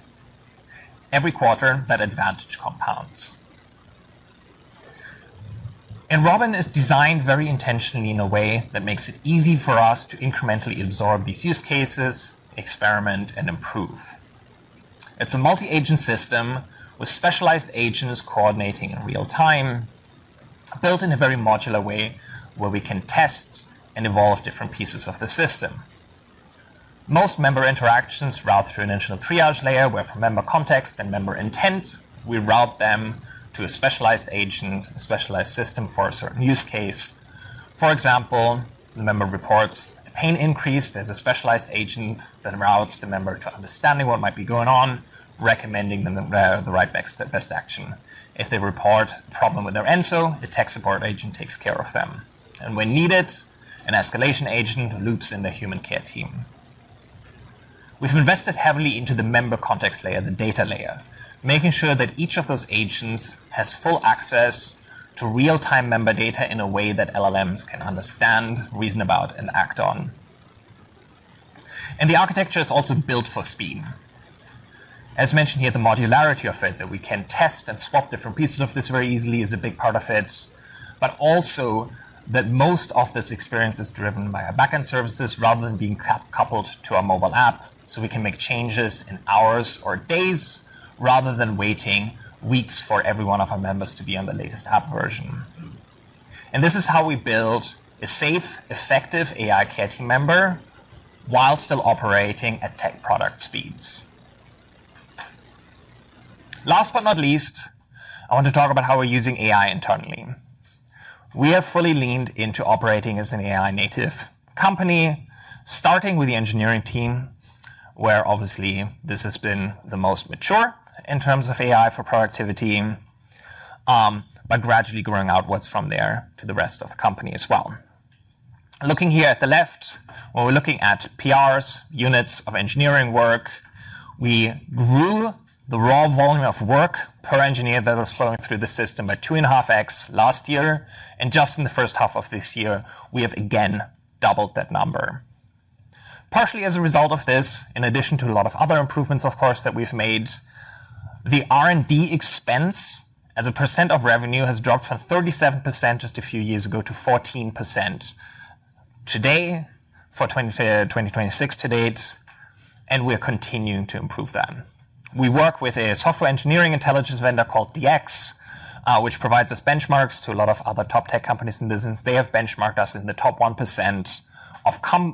Every quarter, that advantage compounds. Robin is designed very intentionally in a way that makes it easy for us to incrementally absorb these use cases, experiment, and improve. It's a multi-agent system with specialized agents coordinating in real-time, built in a very modular way where we can test and evolve different pieces of the system. Most member interactions route through an initial triage layer, where for member context and member intent, we route them to a specialized agent, a specialized system for a certain use case. For example, the member reports a pain increase. There's a specialized agent that routes the member to understanding what might be going on, recommending the right best action. If they report a problem with their Enso, the tech support agent takes care of them. When needed, an escalation agent loops in the human care team. We've invested heavily into the member context layer, the data layer, making sure that each of those agents has full access to real-time member data in a way that LLMs can understand, reason about, and act on. The architecture is also built for speed. As mentioned here, the modularity of it, that we can test and swap different pieces of this very easily is a big part of it, but also that most of this experience is driven by our back end services rather than being coupled to our mobile app, so we can make changes in hours or days rather than waiting weeks for every one of our members to be on the latest app version. This is how we build a safe, effective AI care team member while still operating at tech product speeds. Last but not least, I want to talk about how we're using AI internally. We have fully leaned into operating as an AI native company, starting with the engineering team, where obviously this has been the most mature in terms of AI for productivity, but gradually growing outwards from there to the rest of the company as well. Looking here at the left, where we're looking at PRs, units of engineering work, we grew the raw volume of work per engineer that was flowing through the system by 2.5x last year. Just in the first half of this year, we have again doubled that number. Partially as a result of this, in addition to a lot of other improvements, of course, that we've made, the R&D expense as a percent of revenue has dropped from 37% just a few years ago to 14% today for 2026 to date, and we're continuing to improve that. We work with a software engineering intelligence vendor called DX, which provides us benchmarks to a lot of other top tech companies in the business. They have benchmarked us in the top 1%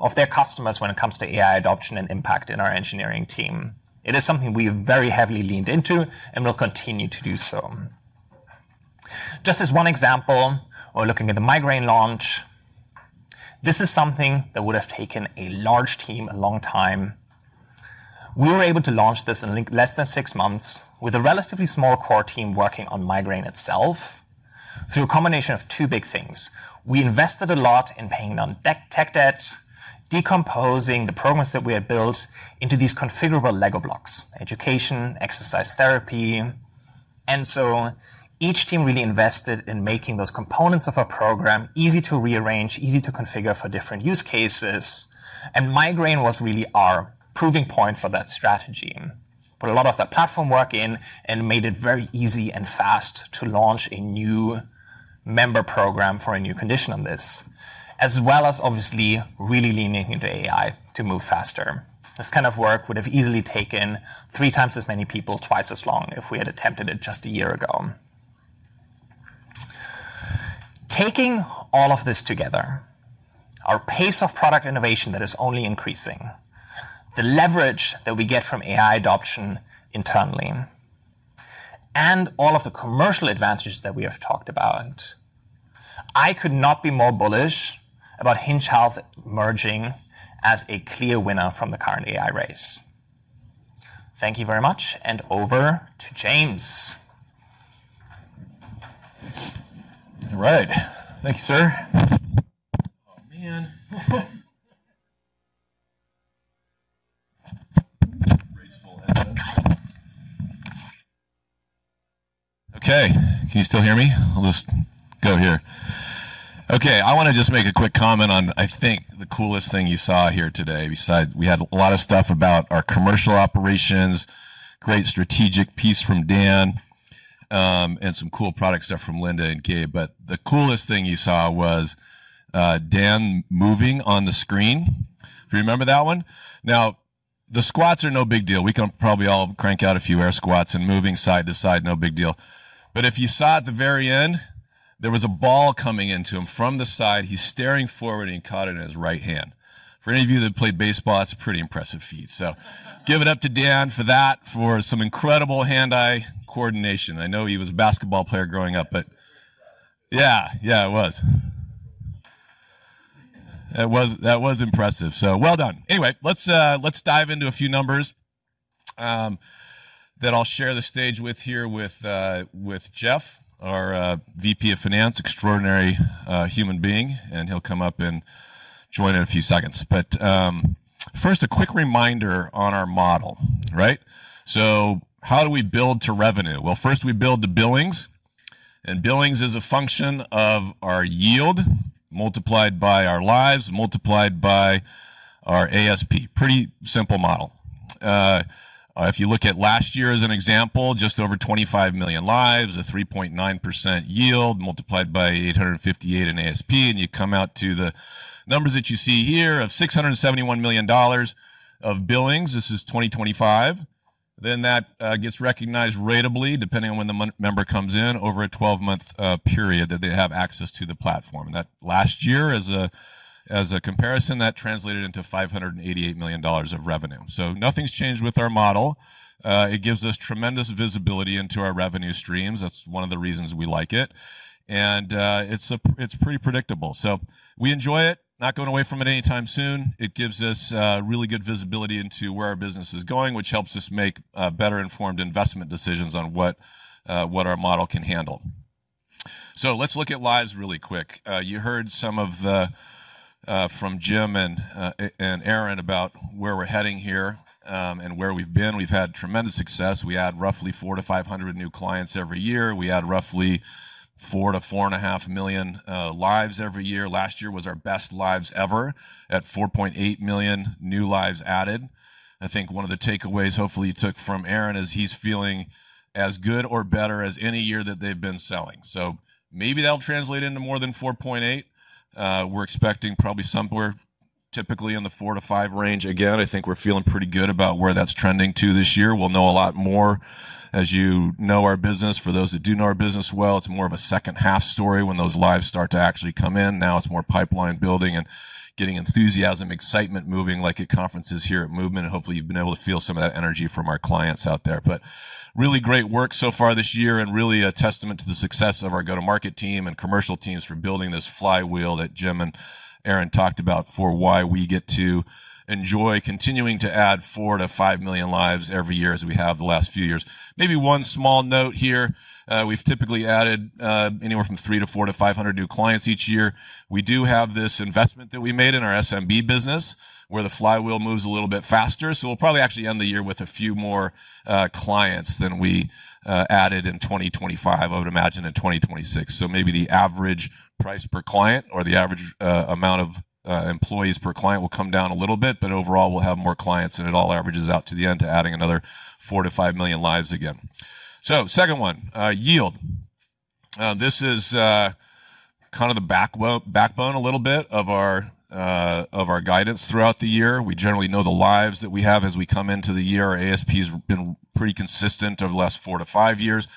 of their customers when it comes to AI adoption and impact in our engineering team. It is something we've very heavily leaned into and will continue to do so. Just as one example, we're looking at the migraine launch. This is something that would have taken a large team a long time. We were able to launch this in less than six months with a relatively small core team working on migraine itself through a combination of two big things. We invested a lot in paying down tech debt, decomposing the programs that we had built into these configurable Lego blocks, education, exercise therapy. Each team really invested in making those components of a program easy to rearrange, easy to configure for different use cases, and migraine was really our proving point for that strategy. Put a lot of that platform work in and made it very easy and fast to launch a new member program for a new condition on this, as well as obviously really leaning into AI to move faster. This kind of work would have easily taken three times as many people, twice as long if we had attempted it just a year ago. Taking all of this together, our pace of product innovation that is only increasing, the leverage that we get from AI adoption internally, and all of the commercial advantages that we have talked about, I could not be more bullish about Hinge Health emerging as a clear winner from the current AI race. Thank you very much, over to James. All right. Thank you, sir. Okay. Can you still hear me? I'll just go here. Okay. I want to just make a quick comment on, I think, the coolest thing you saw here today beside-- We had a lot of stuff about our commercial operations, great strategic piece from Dan, and some cool product stuff from Linda and Gabe. The coolest thing you saw was Dan moving on the screen. If you remember that one? The squats are no big deal. We can probably all crank out a few air squats and moving side to side, no big deal. If you saw at the very end, there was a ball coming into him from the side, he's staring forward, and he caught it in his right hand. For any of you that played baseball, that's a pretty impressive feat, so give it up to Dan for that for some incredible hand-eye coordination. I know he was a basketball player growing up. Yeah. Yeah, it was. That was impressive. Well done. Anyway, let's dive into a few numbers that I'll share the stage with here with Jeff, our VP of Finance, extraordinary human being, and he'll come up and join in a few seconds. First, a quick reminder on our model, right? How do we build to revenue? Well, first we build to billings, and billings is a function of our yield multiplied by our lives, multiplied by our ASP. Pretty simple model. If you look at last year as an example, just over 25 million lives, a 3.9% yield multiplied by 858 in ASP, you come out to the numbers that you see here of $671 million of billings. This is 2025. That gets recognized ratably, depending on when the member comes in over a 12-month period that they have access to the platform. That last year as a comparison, that translated into $588 million of revenue. Nothing's changed with our model. It gives us tremendous visibility into our revenue streams. That's one of the reasons we like it. It's pretty predictable. We enjoy it, not going away from it anytime soon. It gives us really good visibility into where our business is going, which helps us make better-informed investment decisions on what our model can handle. Let's look at lives really quick. You heard some from Jim and Aaryn about where we're heading here, and where we've been. We've had tremendous success. We add roughly 400-500 new clients every year. We add roughly 4 million-4.5 million lives every year. Last year was our best lives ever at 4.8 million new lives added. I think one of the takeaways, hopefully, you took from Aaryn is he's feeling as good or better as any year that they've been selling. Maybe that'll translate into more than 4.8 million. We're expecting probably somewhere typically in the 4 million-5 million range. I think we're feeling pretty good about where that's trending to this year. We'll know a lot more as you know our business. For those that do know our business well, it's more of a second half story when those lives start to actually come in. It's more pipeline building and getting enthusiasm, excitement moving, like at conferences here at Movement. Hopefully, you've been able to feel some of that energy from our clients out there. Really great work so far this year and really a testament to the success of our go-to-market team and commercial teams for building this flywheel that Jim and Aaryn talked about for why we get to enjoy continuing to add four to five million lives every year as we have the last few years. Maybe one small note here. We've typically added anywhere from three to four to five hundred new clients each year. We do have this investment that we made in our SMB business, where the flywheel moves a little bit faster. We'll probably actually end the year with a few more clients than we added in 2025, I would imagine in 2026. Maybe the average price per client or the average amount of employees per client will come down a little bit. Overall, we'll have more clients, and it all averages out to the end to adding another 4 million-5 million lives again. Second one, yield. This is the backbone a little bit of our guidance throughout the year. We generally know the lives that we have as we come into the year. Our ASP has been pretty consistent over the last four to five years.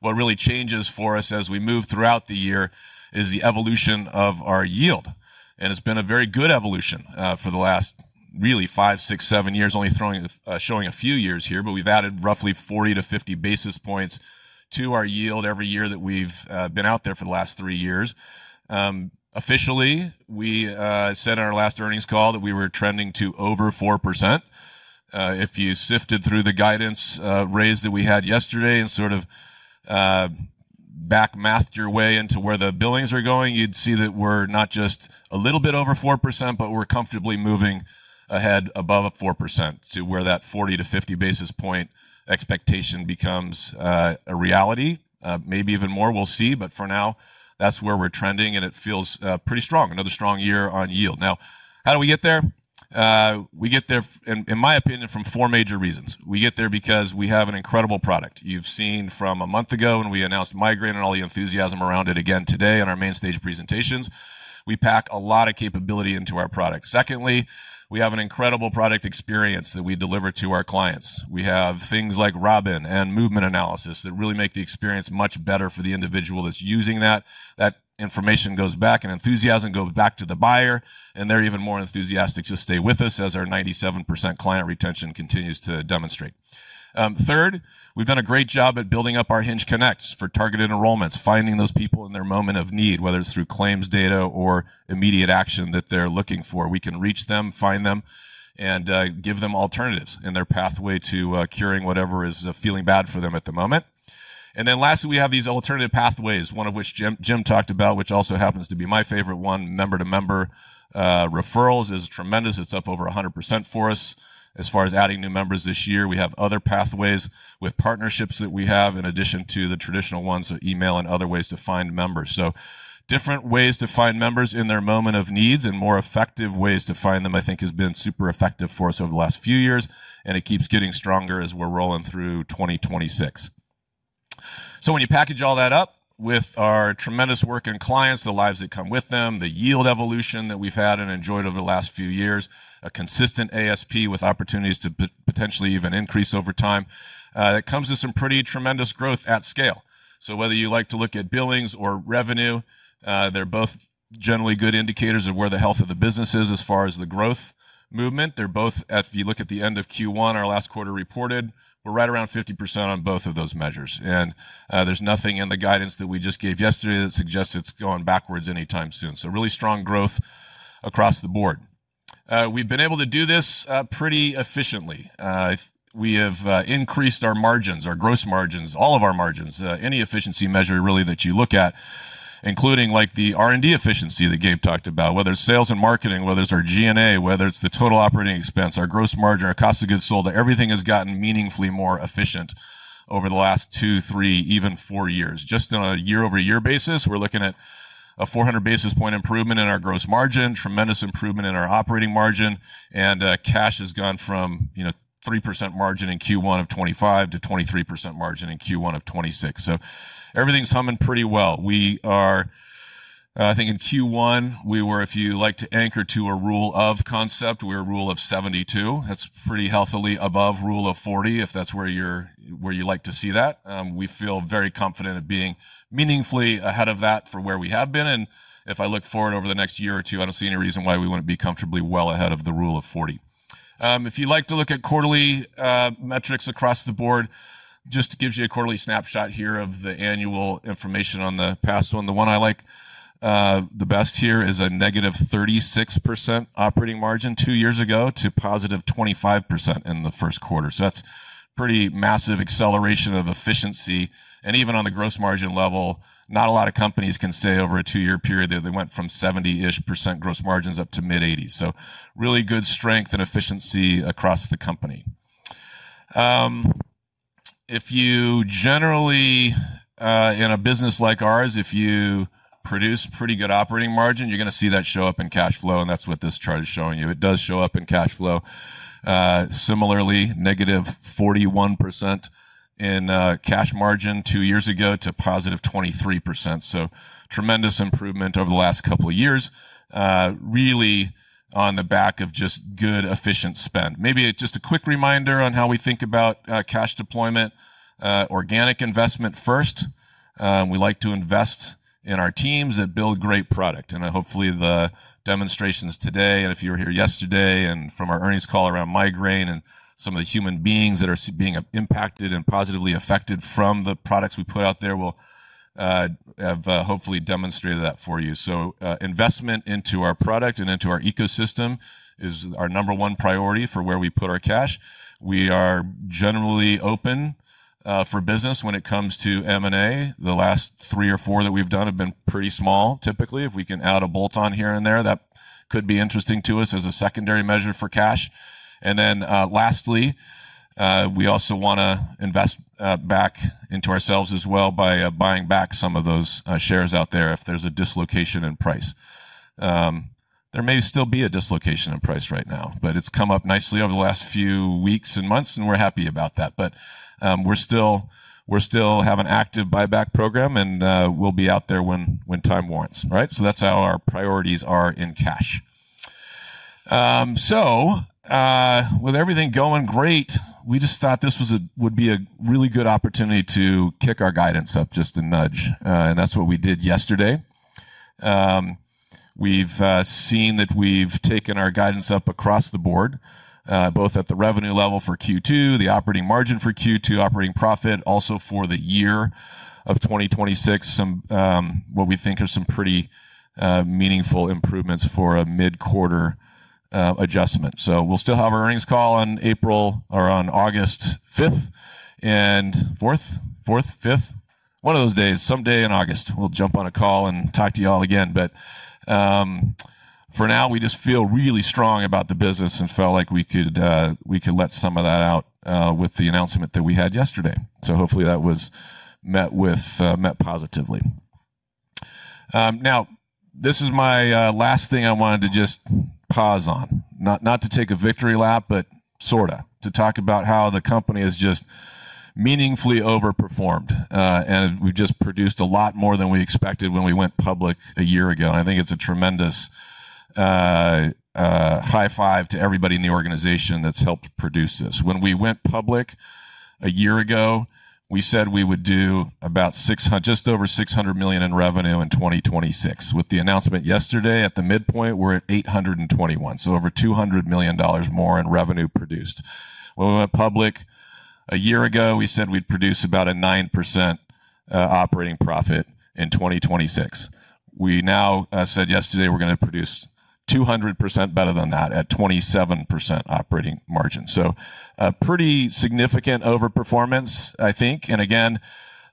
What really changes for us as we move throughout the year is the evolution of our yield. It's been a very good evolution for the last really five, six, seven years. Only showing a few years here, we've added roughly 40 to 50 basis points to our yield every year that we've been out there for the last three years. Officially, we said in our last earnings call that we were trending to over 4%. If you sifted through the guidance raise that we had yesterday and sort of back-mathed your way into where the billings are going, you'd see that we're not just a little bit over 4%, but we're comfortably moving ahead above a 4% to where that 40 to 50 basis point expectation becomes a reality. Maybe even more, we'll see. For now, that's where we're trending, and it feels pretty strong. Another strong year on yield. How do we get there? We get there, in my opinion, from four major reasons. We get there because we have an incredible product. You've seen from a month ago when we announced Migraine and all the enthusiasm around it again today in our main stage presentations. We pack a lot of capability into our product. We have an incredible product experience that we deliver to our clients. We have things like Robin and movement analysis that really make the experience much better for the individual that's using that. That information goes back, enthusiasm goes back to the buyer, and they're even more enthusiastic to stay with us as our 97% client retention continues to demonstrate. Third, we've done a great job at building up our HingeConnects for targeted enrollments, finding those people in their moment of need, whether it's through claims data or immediate action that they're looking for. We can reach them, find them, and give them alternatives in their pathway to curing whatever is feeling bad for them at the moment. Lastly, we have these alternative pathways, one of which Jim talked about, which also happens to be my favorite one, member-to-member referrals is tremendous. It's up over 100% for us as far as adding new members this year. We have other pathways with partnerships that we have in addition to the traditional ones, email and other ways to find members. Different ways to find members in their moment of needs and more effective ways to find them, I think, has been super effective for us over the last few years, and it keeps getting stronger as we're rolling through 2026. When you package all that up with our tremendous work in clients, the lives that come with them, the yield evolution that we've had and enjoyed over the last few years, a consistent ASP with opportunities to potentially even increase over time, it comes with some pretty tremendous growth at scale. Whether you like to look at billings or revenue, they're both generally good indicators of where the health of the business is as far as the growth movement. They're both, if you look at the end of Q1, our last quarter reported, we're right around 50% on both of those measures. There's nothing in the guidance that we just gave yesterday that suggests it's going backwards anytime soon. Really strong growth across the board. We've been able to do this pretty efficiently. We have increased our margins, our gross margins, all of our margins. Any efficiency measure really that you look at, including the R&D efficiency that Gabe talked about, whether it's sales and marketing, whether it's our G&A, whether it's the total operating expense, our gross margin, our cost of goods sold, everything has gotten meaningfully more efficient over the last two, three, even four years. Just on a year-over-year basis, we're looking at a 400 basis point improvement in our gross margin, tremendous improvement in our operating margin, and cash has gone from 3% margin in Q1 of 2025 to 23% margin in Q1 of 2026. Everything's humming pretty well. We are, I think in Q1, we were, if you like to anchor to a rule of concept, we're rule of 72. That's pretty healthily above rule of 40, if that's where you like to see that. We feel very confident at being meaningfully ahead of that for where we have been, and if I look forward over the next year or two, I don't see any reason why we wouldn't be comfortably well ahead of the rule of 40. If you like to look at quarterly metrics across the board, just gives you a quarterly snapshot here of the annual information on the past one. The one I like the best here is a -36% operating margin two years ago to +25% in the first quarter. That's pretty massive acceleration of efficiency. Even on the gross margin level, not a lot of companies can say over a two-year period that they went from 70-ish% gross margins up to mid-80s. Really good strength and efficiency across the company. If you generally, in a business like ours, if you produce pretty good operating margin, you're going to see that show up in cash flow, and that's what this chart is showing you. It does show up in cash flow. Similarly, -41% in cash margin two years ago to +23%. Tremendous improvement over the last couple of years, really on the back of just good, efficient spend. Maybe just a quick reminder on how we think about cash deployment. Organic investment first. We like to invest in our teams that build great product, and hopefully the demonstrations today, and if you were here yesterday, and from our earnings call around migraine and some of the human beings that are being impacted and positively affected from the products we put out there will have hopefully demonstrated that for you. Investment into our product and into our ecosystem is our number one priority for where we put our cash. We are generally open for business when it comes to M&A. The last three or four that we've done have been pretty small. Typically, if we can add a bolt-on here and there, that could be interesting to us as a secondary measure for cash. Lastly, we also want to invest back into ourselves as well by buying back some of those shares out there if there's a dislocation in price. There may still be a dislocation in price right now, but it's come up nicely over the last few weeks and months, and we're happy about that. We still have an active buyback program, and we'll be out there when time warrants, right? That's how our priorities are in cash. With everything going great, we just thought this would be a really good opportunity to kick our guidance up just a nudge. That's what we did yesterday. We've seen that we've taken our guidance up across the board, both at the revenue level for Q2, the operating margin for Q2, operating profit also for the year of 2026, what we think are some pretty meaningful improvements for a mid-quarter adjustment. We'll still have our earnings call on April or on August 5th and 4th? 5th? One of those days, someday in August, we'll jump on a call and talk to you all again. For now, we just feel really strong about the business and felt like we could let some of that out with the announcement that we had yesterday. Hopefully that was met positively. This is my last thing I wanted to just pause on. Not to take a victory lap, but sort of. To talk about how the company has just meaningfully overperformed, and we've just produced a lot more than we expected when we went public a year ago, and I think it's a tremendous high-five to everybody in the organization that's helped produce this. When we went public a year ago, we said we would do about just over $600 million in revenue in 2026. With the announcement yesterday at the midpoint, we're at $821 million, so over $200 million more in revenue produced. When we went public a year ago, we said we'd produce about a 9% operating profit in 2026. We now said yesterday we're going to produce 200% better than that, at 27% operating margin. Pretty significant over-performance, I think. Again,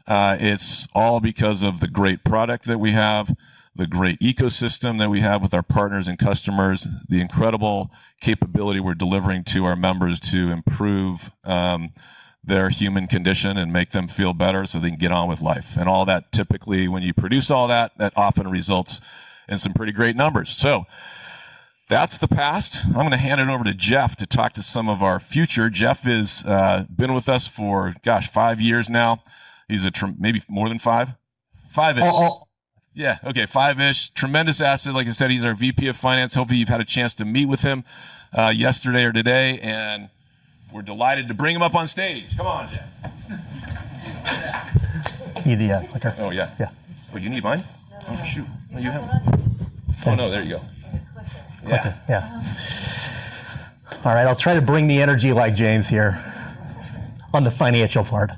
it's all because of the great product that we have, the great ecosystem that we have with our partners and customers, the incredible capability we're delivering to our members to improve their human condition and make them feel better so they can get on with life. All that, typically, when you produce all that often results in some pretty great numbers. That's the past. I'm going to hand it over to Jeff to talk to some of our future. Jeff has been with us for, gosh, five years now. Maybe more than five. Five-ish. Yeah. Okay, five-ish. Tremendous asset. Like I said, he's our VP of finance. Hopefully, you've had a chance to meet with him yesterday or today, and we're delighted to bring him up on stage. Come on, Jeff. You need. Okay. Oh, yeah. Yeah. Oh, you need mine? No. Oh, shoot. I have one. Oh, no, there you go. Clicker. Yeah. All right, I'll try to bring the energy like James here on the financial part.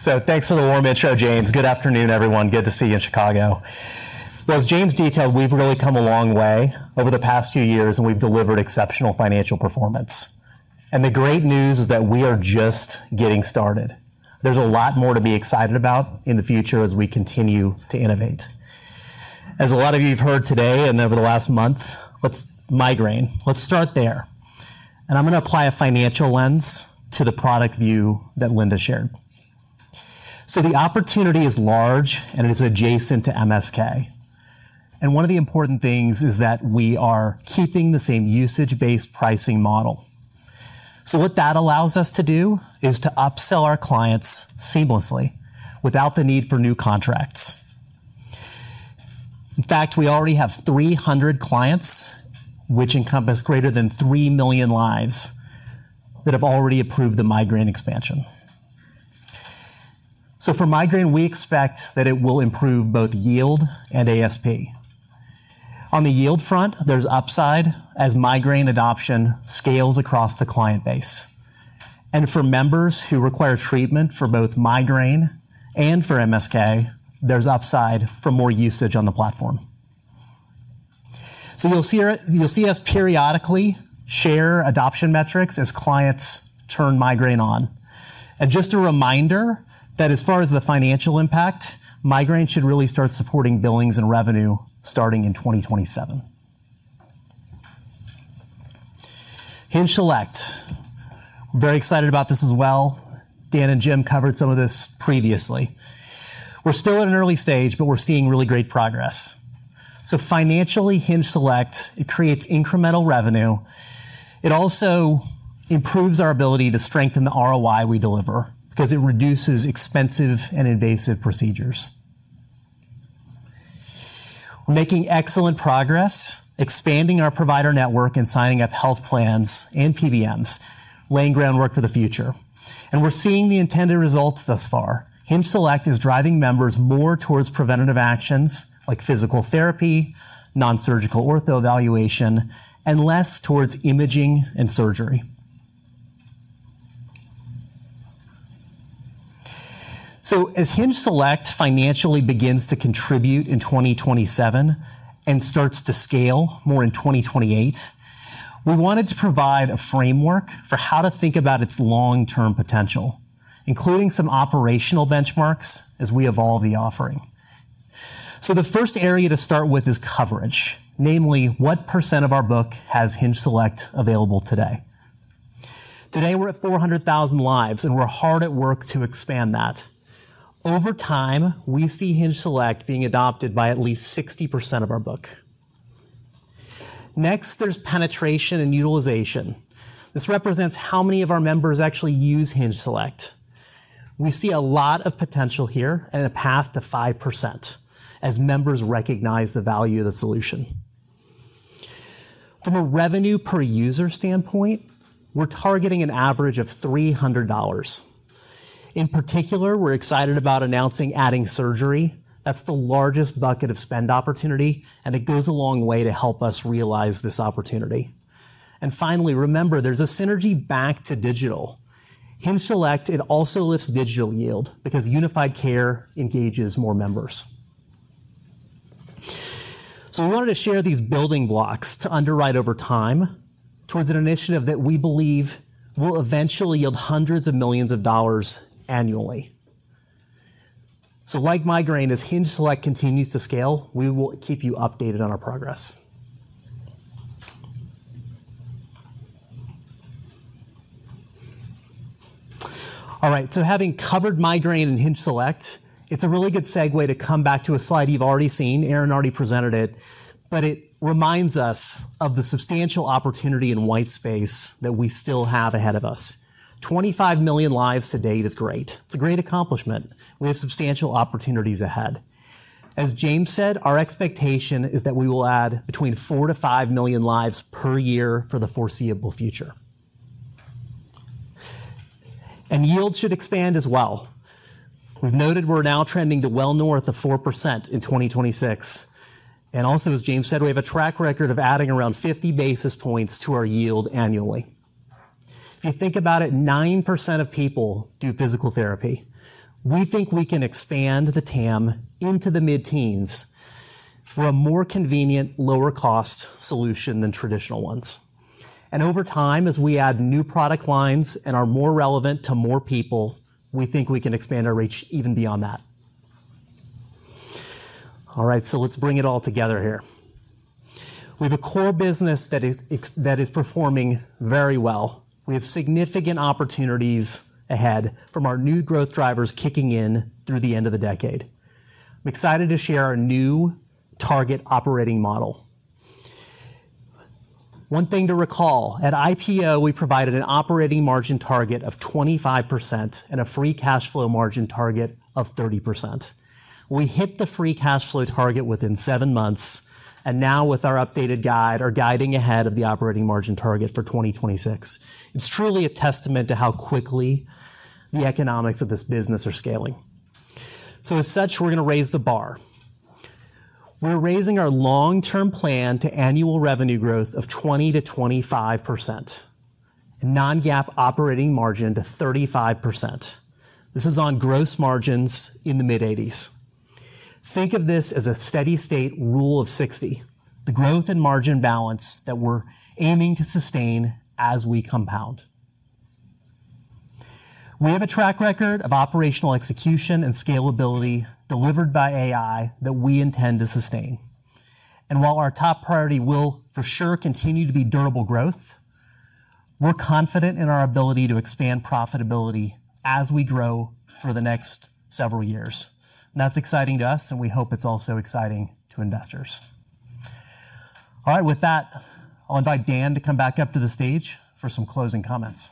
Thanks for the warm intro, James. Good afternoon, everyone. Good to see you in Chicago. Well, as James detailed, we've really come a long way over the past few years, and we've delivered exceptional financial performance. The great news is that we are just getting started. There's a lot more to be excited about in the future as we continue to innovate. As a lot of you have heard today and over the last month, what's migraine? Let's start there. I'm going to apply a financial lens to the product view that Linda shared. The opportunity is large, and it is adjacent to MSK. One of the important things is that we are keeping the same usage-based pricing model. What that allows us to do is to upsell our clients seamlessly without the need for new contracts. In fact, we already have 300 clients, which encompass greater than 3 million lives that have already approved the migraine expansion. For migraine, we expect that it will improve both yield and ASP. On the yield front, there's upside as migraine adoption scales across the client base. For members who require treatment for both migraine and for MSK, there's upside for more usage on the platform. You'll see us periodically share adoption metrics as clients turn migraine on. Just a reminder that as far as the financial impact, migraine should really start supporting billings and revenue starting in 2027. HingeSelect. Very excited about this as well. Dan and Jim covered some of this previously. We're still at an early stage, but we're seeing really great progress. Financially, HingeSelect, it creates incremental revenue. It also improves our ability to strengthen the ROI we deliver because it reduces expensive and invasive procedures. We're making excellent progress expanding our provider network and signing up health plans and PBMs, laying groundwork for the future. We're seeing the intended results thus far. HingeSelect is driving members more towards preventative actions like physical therapy, nonsurgical ortho evaluation, and less towards imaging and surgery. As HingeSelect financially begins to contribute in 2027 and starts to scale more in 2028, we wanted to provide a framework for how to think about its long-term potential, including some operational benchmarks as we evolve the offering. The first area to start with is coverage, namely what percent of our book has HingeSelect available today. Today, we're at 400,000 lives, and we're hard at work to expand that. Over time, we see HingeSelect being adopted by at least 60% of our book. Next, there's penetration and utilization. This represents how many of our members actually use HingeSelect. We see a lot of potential here and a path to 5% as members recognize the value of the solution. From a revenue per user standpoint, we're targeting an average of $300. In particular, we're excited about announcing adding surgery. That's the largest bucket of spend opportunity, and it goes a long way to help us realize this opportunity. Finally, remember, there's a synergy back to digital. HingeSelect, it also lifts digital yield because unified care engages more members. We wanted to share these building blocks to underwrite over time towards an initiative that we believe will eventually yield hundreds of millions of dollars annually. Like migraine, as HingeSelect continues to scale, we will keep you updated on our progress. All right, having covered migraine and HingeSelect, it's a really good segue to come back to a slide you've already seen. Aaryn already presented it. It reminds us of the substantial opportunity in white space that we still have ahead of us. 25 million lives to date is great. It's a great accomplishment. We have substantial opportunities ahead. As James said, our expectation is that we will add between 4 million to 5 million lives per year for the foreseeable future. Yield should expand as well. We've noted we're now trending to well north of 4% in 2026, and also as James said, we have a track record of adding around 50 basis points to our yield annually. If you think about it, 9% of people do physical therapy. We think we can expand the TAM into the mid-teens for a more convenient, lower cost solution than traditional ones. Over time, as we add new product lines and are more relevant to more people, we think we can expand our reach even beyond that. All right, let's bring it all together here. We have a core business that is performing very well. We have significant opportunities ahead from our new growth drivers kicking in through the end of the decade. I'm excited to share our new target operating model. One thing to recall, at IPO, we provided an operating margin target of 25% and a free cash flow margin target of 30%. We hit the free cash flow target within seven months, and now with our updated guide, are guiding ahead of the operating margin target for 2026. It's truly a testament to how quickly the economics of this business are scaling. As such, we're going to raise the bar. We're raising our long-term plan to annual revenue growth of 20%-25%, and non-GAAP operating margin to 35%. This is on gross margins in the mid-80s. Think of this as a steady state rule of 60, the growth and margin balance that we're aiming to sustain as we compound. We have a track record of operational execution and scalability delivered by AI that we intend to sustain. While our top priority will, for sure, continue to be durable growth, we're confident in our ability to expand profitability as we grow for the next several years. That's exciting to us, and we hope it's also exciting to investors. All right. With that, I'll invite Dan to come back up to the stage for some closing comments.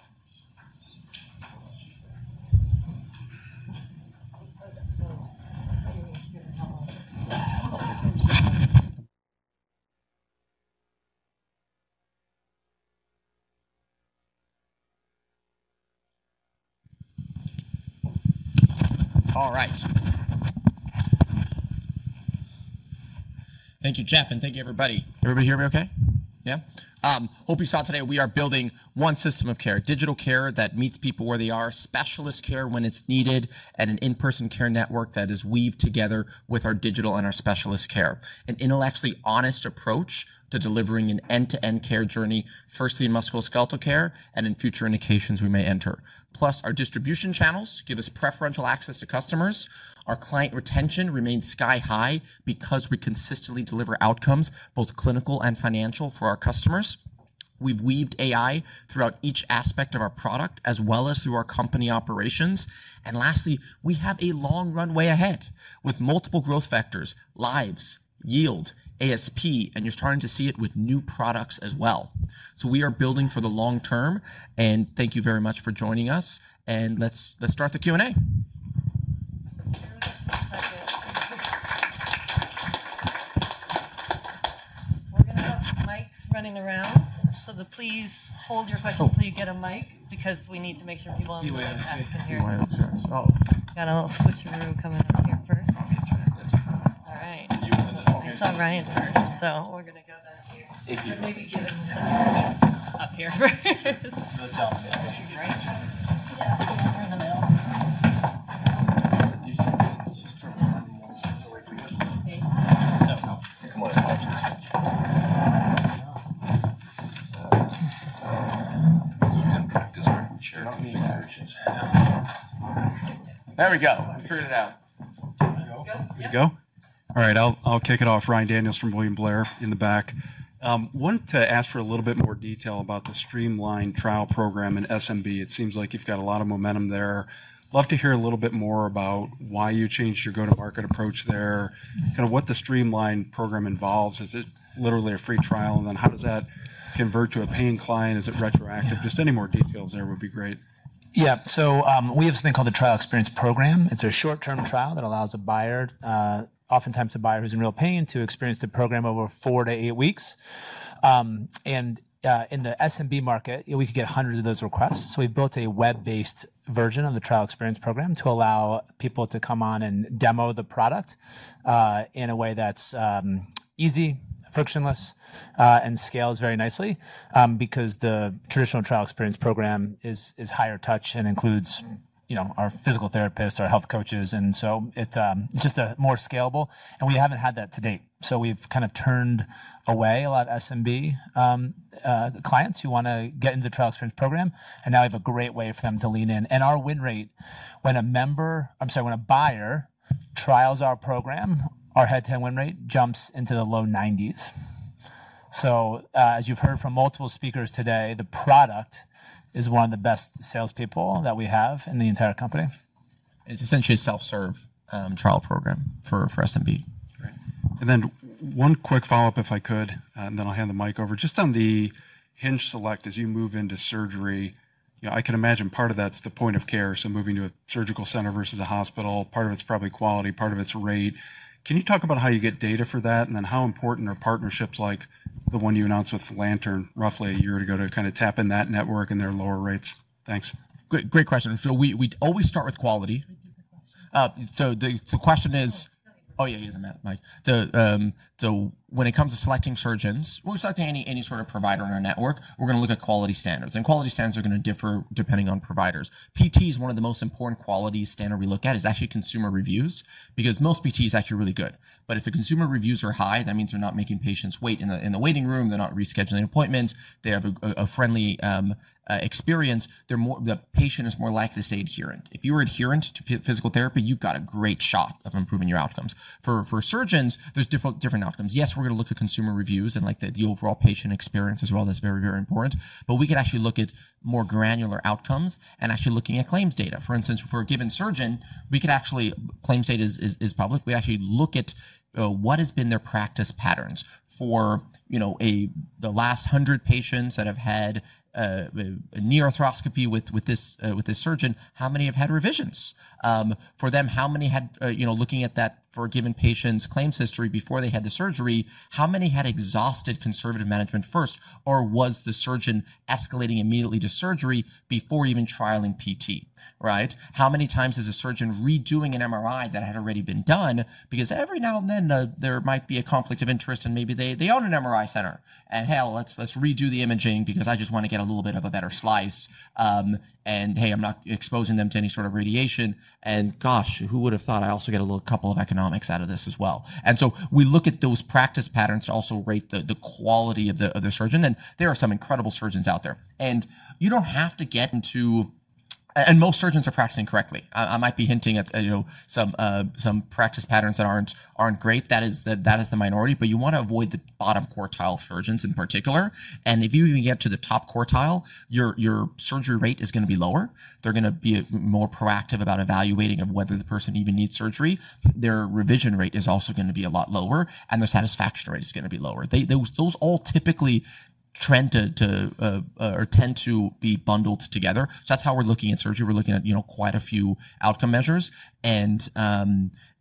All right. Thank you, Jeff, and thank you everybody. Everybody hear me okay? Yeah. Hope you saw today we are building one system of care, digital care that meets people where they are, specialist care when it's needed, and an in-person care network that is weaved together with our digital and our specialist care. An intellectually honest approach to delivering an end-to-end care journey, firstly in musculoskeletal care, and in future indications we may enter. Plus, our distribution channels give us preferential access to customers. Our client retention remains sky-high because we consistently deliver outcomes, both clinical and financial for our customers. We've weaved AI throughout each aspect of our product, as well as through our company operations. Lastly, we have a long runway ahead with multiple growth vectors, lives, yield, ASP, and you're starting to see it with new products as well. We are building for the long term, and thank you very much for joining us, and let's start the Q&A. We're going to have mics running around, so please hold your question till you get a mic, because we need to make sure people on the phone can ask in here. QA on Zoom. Got a little switcheroo coming up here first. Turn this one on. All right. You in this location. We saw Ryan first. We're going to go back here. If you- Maybe give him center action. Up here. No, tell him to stay. Right? Yeah, get in through the middle. Do you think we should just turn them on once we get them? Space. Practice our chair configurations here. There we go. We figured it out. We go? All right, I'll kick it off. Ryan Daniels from William Blair in the back. Wanted to ask for a little bit more detail about the streamlined trial program in SMB. It seems like you've got a lot of momentum there. Love to hear a little bit more about why you changed your go-to-market approach there. Kind of what the streamline program involves. Is it literally a free trial, and then how does that convert to a paying client? Is it retroactive? Just any more details there would be great. Yeah. We have something called the Trial Experience Program. It's a short-term trial that allows oftentimes a buyer who's in real pain to experience the program over four to eight weeks. In the SMB market, we could get hundreds of those requests. We've built a web-based version of the Trial Experience Program to allow people to come on and demo the product, in a way that's easy, frictionless, and scales very nicely. Because the traditional Trial Experience Program is higher touch and includes our physical therapists, our health coaches, and so it's just more scalable. We haven't had that to date. We've kind of turned away a lot of SMB clients who want to get into the Trial Experience Program, and now we have a great way for them to lean in. Our win rate, when a buyer trials our program, our head-to-head win rate jumps into the low 90s. As you've heard from multiple speakers today, the product is one of the best salespeople that we have in the entire company. It's essentially a self-serve trial program for SMB. Great. One quick follow-up if I could, and then I'll hand the mic over. Just on the HingeSelect as you move into surgery, I can imagine part of that's the point of care, so moving to a surgical center versus a hospital. Part of it's probably quality, part of it's rate. Can you talk about how you get data for that, and then how important are partnerships like the one you announced with Lantern roughly a year ago to kind of tap in that network and their lower rates? Thanks. Great question. We always start with quality. The question is. Oh, sorry. Oh, yeah. He has a mic. When it comes to selecting surgeons, when we're selecting any sort of provider in our network, we're going to look at quality standards, and quality standards are going to differ depending on providers. PT is one of the most important quality standard we look at, is actually consumer reviews, because most PT is actually really good. If the consumer reviews are high, that means they're not making patients wait in the waiting room. They're not rescheduling appointments. They have a friendly experience. The patient is more likely to stay adherent. If you are adherent to physical therapy, you've got a great shot of improving your outcomes. For surgeons, there's different outcomes. Yes, we're going to look at consumer reviews and the overall patient experience as well. That's very, very important. We could actually look at more granular outcomes and actually looking at claims data. For instance, for a given surgeon, claims data is public. We actually look at what has been their practice patterns for the last 100 patients that have had a knee arthroscopy with this surgeon. How many have had revisions? For them, looking at that for a given patient's claims history before they had the surgery, how many had exhausted conservative management first? Was the surgeon escalating immediately to surgery before even trialing PT? How many times is a surgeon redoing an MRI that had already been done? Every now and then, there might be a conflict of interest, and maybe they own an MRI center, and, hell, let's redo the imaging because I just want to get a little bit of a better slice. Hey, I'm not exposing them to any sort of radiation. Gosh, who would've thought I also get a little couple of economics out of this as well. We look at those practice patterns to also rate the quality of the surgeon, there are some incredible surgeons out there. Most surgeons are practicing correctly. I might be hinting at some practice patterns that aren't great. That is the minority, but you want to avoid the bottom quartile surgeons in particular. If you even get to the top quartile, your surgery rate is going to be lower. They're going to be more proactive about evaluating whether the person even needs surgery. Their revision rate is also going to be a lot lower, and their satisfaction rate is going to be lower. Those all typically trend to or tend to be bundled together. That's how we're looking at surgery. We're looking at quite a few outcome measures.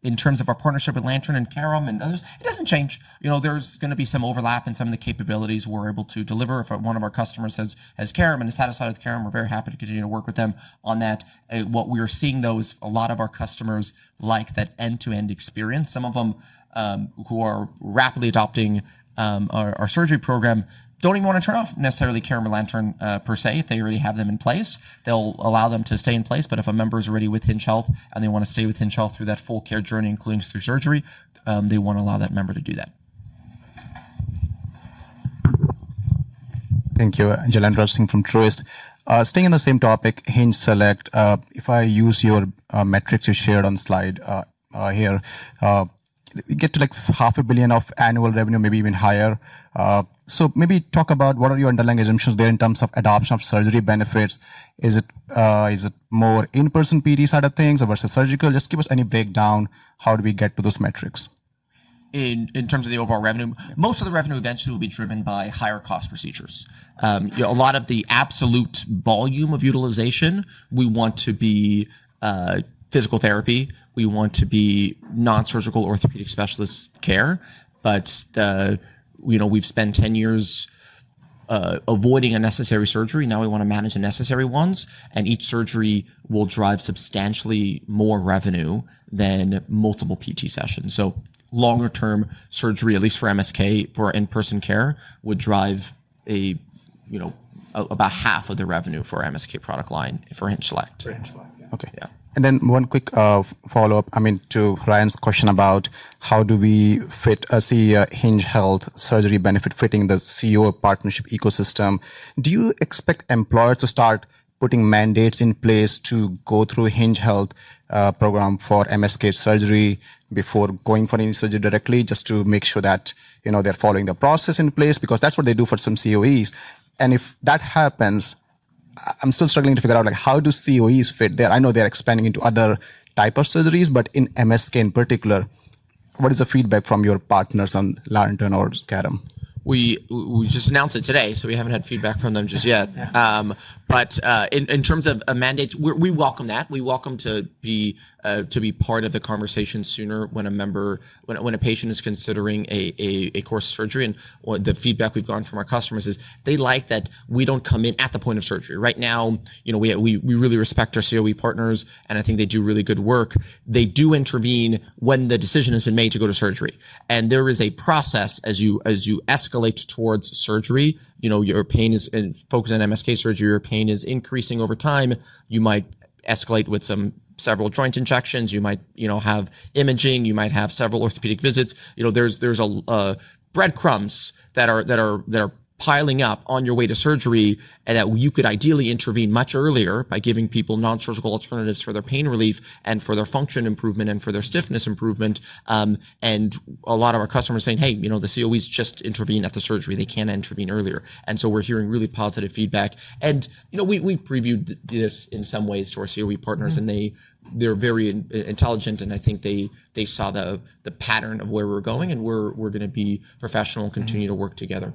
In terms of our partnership with Lantern and Carrum and others, it doesn't change. There's going to be some overlap in some of the capabilities we're able to deliver. If one of our customers has Carrum Health and is satisfied with Carrum Health, we're very happy to continue to work with them on that. What we are seeing, though, is a lot of our customers like that end-to-end experience. Some of them who are rapidly adopting our surgery program don't even want to turn off necessarily Carrum Health or Lantern per se if they already have them in place. They'll allow them to stay in place, if a member is already with Hinge Health and they want to stay with Hinge Health through that full care journey, including through surgery, they want to allow that member to do that. Thank you. Jailendra Singh from Truist. Staying on the same topic, HingeSelect, if I use your metrics you shared on the slide here, we get to half a billion of annual revenue, maybe even higher. Maybe talk about what are your underlying assumptions there in terms of adoption of surgery benefits. Is it more in-person PT side of things versus surgical? Just give us any breakdown. How do we get to those metrics? In terms of the overall revenue? Yes. Most of the revenue eventually will be driven by higher cost procedures. A lot of the absolute volume of utilization we want to be physical therapy. We want to be non-surgical orthopedic specialist care. We've spent 10 years avoiding unnecessary surgery. Now we want to manage the necessary ones, each surgery will drive substantially more revenue than multiple PT sessions. Longer-term surgery, at least for MSK, for in-person care, would drive about half of the revenue for MSK product line for HingeSelect. For HingeSelect, yeah. Okay. Yeah. One quick follow-up to Ryan's question about how do we see Hinge Health surgery benefit fitting the COE partnership ecosystem. Do you expect employer to start putting mandates in place to go through Hinge Health program for MSK surgery before going for any surgery directly, just to make sure that they're following the process in place? Because that's what they do for some COEs. If that happens, I'm still struggling to figure out how do COEs fit there. I know they're expanding into other type of surgeries, but in MSK in particular, what is the feedback from your partners on Lantern or Carrum? We just announced it today, so we haven't had feedback from them just yet. Yeah. In terms of mandates, we welcome that. We welcome to be part of the conversation sooner when a patient is considering a course of surgery. The feedback we've gotten from our customers is they like that we don't come in at the point of surgery. Right now, we really respect our COE partners, and I think they do really good work. They do intervene when the decision has been made to go to surgery. There is a process as you escalate towards surgery. Focused on MSK surgery, your pain is increasing over time, you might escalate with several joint injections. You might have imaging, you might have several orthopedic visits. There's breadcrumbs that are piling up on your way to surgery, and that you could ideally intervene much earlier by giving people non-surgical alternatives for their pain relief, and for their function improvement, and for their stiffness improvement. A lot of our customers saying, "Hey, the COEs just intervene at the surgery. They can't intervene earlier." We're hearing really positive feedback. We previewed this in some ways to our COE partners, and they're very intelligent, and I think they saw the pattern of where we're going, and we're going to be professional and continue to work together.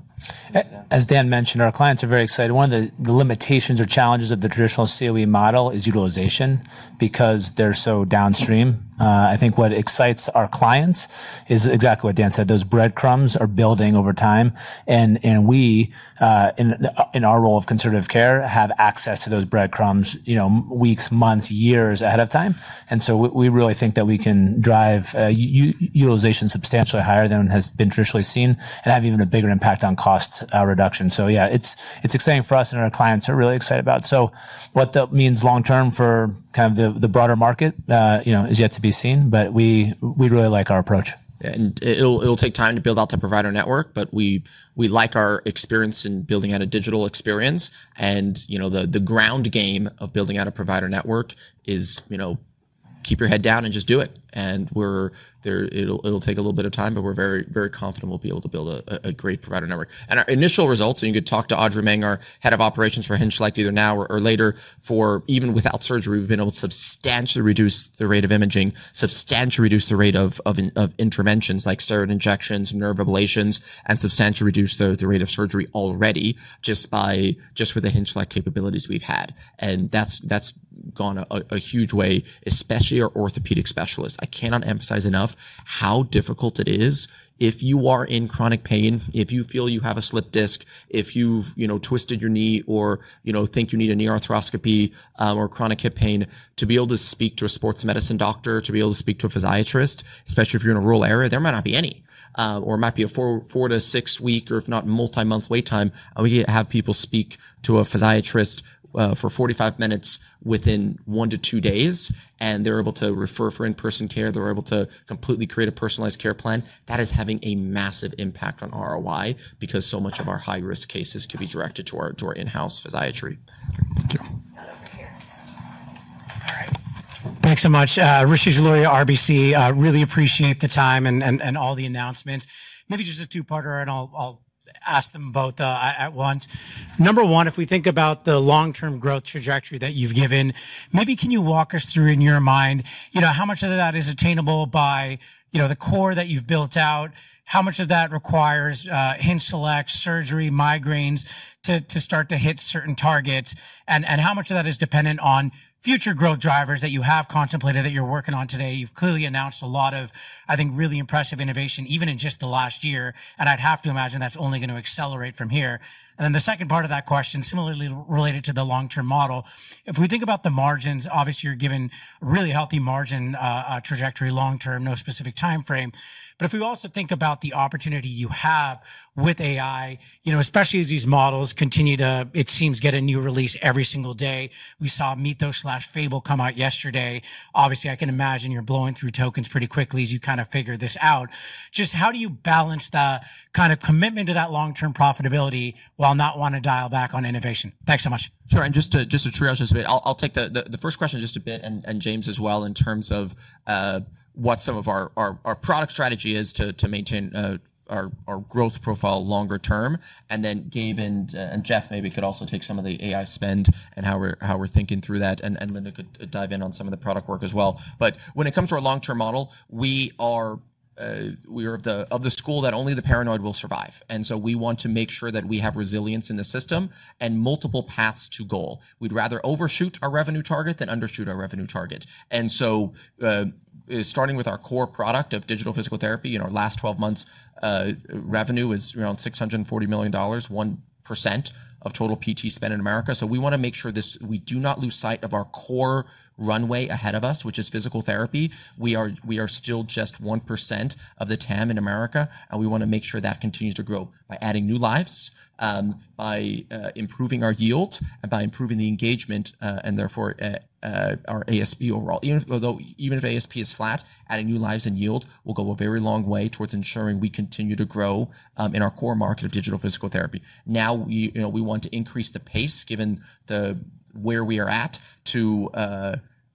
As Dan mentioned, our clients are very excited. One of the limitations or challenges of the traditional COE model is utilization, because they are so downstream. I think what excites our clients is exactly what Dan said. Those breadcrumbs are building over time, and we, in our role of conservative care, have access to those breadcrumbs weeks, months, years ahead of time. So we really think that we can drive utilization substantially higher than has been traditionally seen and have even a bigger impact on cost reduction. So yeah, it is exciting for us, and our clients are really excited about it. So what that means long-term for the broader market is yet to be seen, but we really like our approach. It will take time to build out the provider network, but we like our experience in building out a digital experience. The ground game of building out a provider network is keep your head down and just do it. It will take a little bit of time, but we are very confident we will be able to build a great provider network. Our initial results, and you could talk to Audrey Meng, our Head of Operations for HingeSelect either now or later, for even without surgery, we have been able to substantially reduce the rate of imaging, substantially reduce the rate of interventions like steroid injections, nerve ablations, and substantially reduce the rate of surgery already just with the HingeSelect capabilities we have had. That has gone a huge way, especially our orthopedic specialists. I cannot emphasize enough how difficult it is if you are in chronic pain, if you feel you have a slipped disc, if you have twisted your knee or think you need a knee arthroscopy, or chronic hip pain, to be able to speak to a sports medicine doctor, to be able to speak to a physiatrist, especially if you are in a rural area, there might not be any. Or it might be a four to six-week, or if not multi-month wait time, and we have people speak to a physiatrist for 45 minutes within one to two days, and they are able to refer for in-person care. They are able to completely create a personalized care plan. That is having a massive impact on ROI because so much of our high-risk cases could be directed to our in-house physiatry. All right. Thanks so much. Rishi Jaluria, RBC. Really appreciate the time and all the announcements. Just a two-parter, I'll ask them both at once. Number one, if we think about the long-term growth trajectory that you've given, can you walk us through in your mind how much of that is attainable by the core that you've built out, how much of that requires HingeSelect, surgery, migraines to start to hit certain targets, how much of that is dependent on future growth drivers that you have contemplated that you're working on today? You've clearly announced a lot of, I think, really impressive innovation even in just the last year, I'd have to imagine that's only going to accelerate from here. The second part of that question, similarly related to the long-term model, if we think about the margins, obviously, you're given a really healthy margin trajectory long-term, no specific timeframe. If we also think about the opportunity you have with AI, especially as these models continue to, it seems, get a new release every single day. We saw Mytho/Fable come out yesterday. Obviously, I can imagine you're blowing through tokens pretty quickly as you figure this out. Just how do you balance the commitment to that long-term profitability while not wanting to dial back on innovation? Thanks so much. Sure. Just to triage this a bit, I'll take the first question just a bit and James as well in terms of what some of our product strategy is to maintain our growth profile longer term, Gabe and Jeff maybe could also take some of the AI spend and how we're thinking through that, Linda could dive in on some of the product work as well. When it comes to our long-term model, we are of the school that only the paranoid will survive. We want to make sure that we have resilience in the system and multiple paths to goal. We'd rather overshoot our revenue target than undershoot our revenue target. Starting with our core product of digital physical therapy, in our last 12 months, revenue was around $640 million, 1% of total PT spend in America. We want to make sure we do not lose sight of our core runway ahead of us, which is physical therapy. We are still just 1% of the TAM in America, and we want to make sure that continues to grow by adding new lives, by improving our yield, and by improving the engagement, and therefore our ASP overall. Even if ASP is flat, adding new lives and yield will go a very long way towards ensuring we continue to grow in our core market of digital physical therapy. We want to increase the pace given where we are at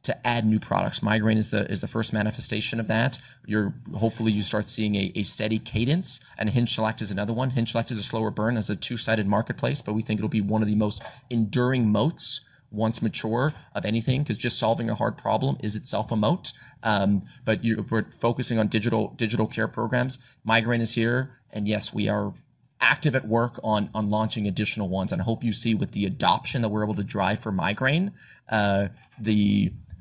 to add new products. Migraine is the first manifestation of that. Hopefully, you start seeing a steady cadence, and HingeSelect is another one. HingeSelect is a slower burn as a two-sided marketplace, we think it'll be one of the most enduring moats once mature of anything, because just solving a hard problem is itself a moat. We're focusing on digital care programs. Migraine is here, yes, we are active at work on launching additional ones. I hope you see with the adoption that we're able to drive for Migraine,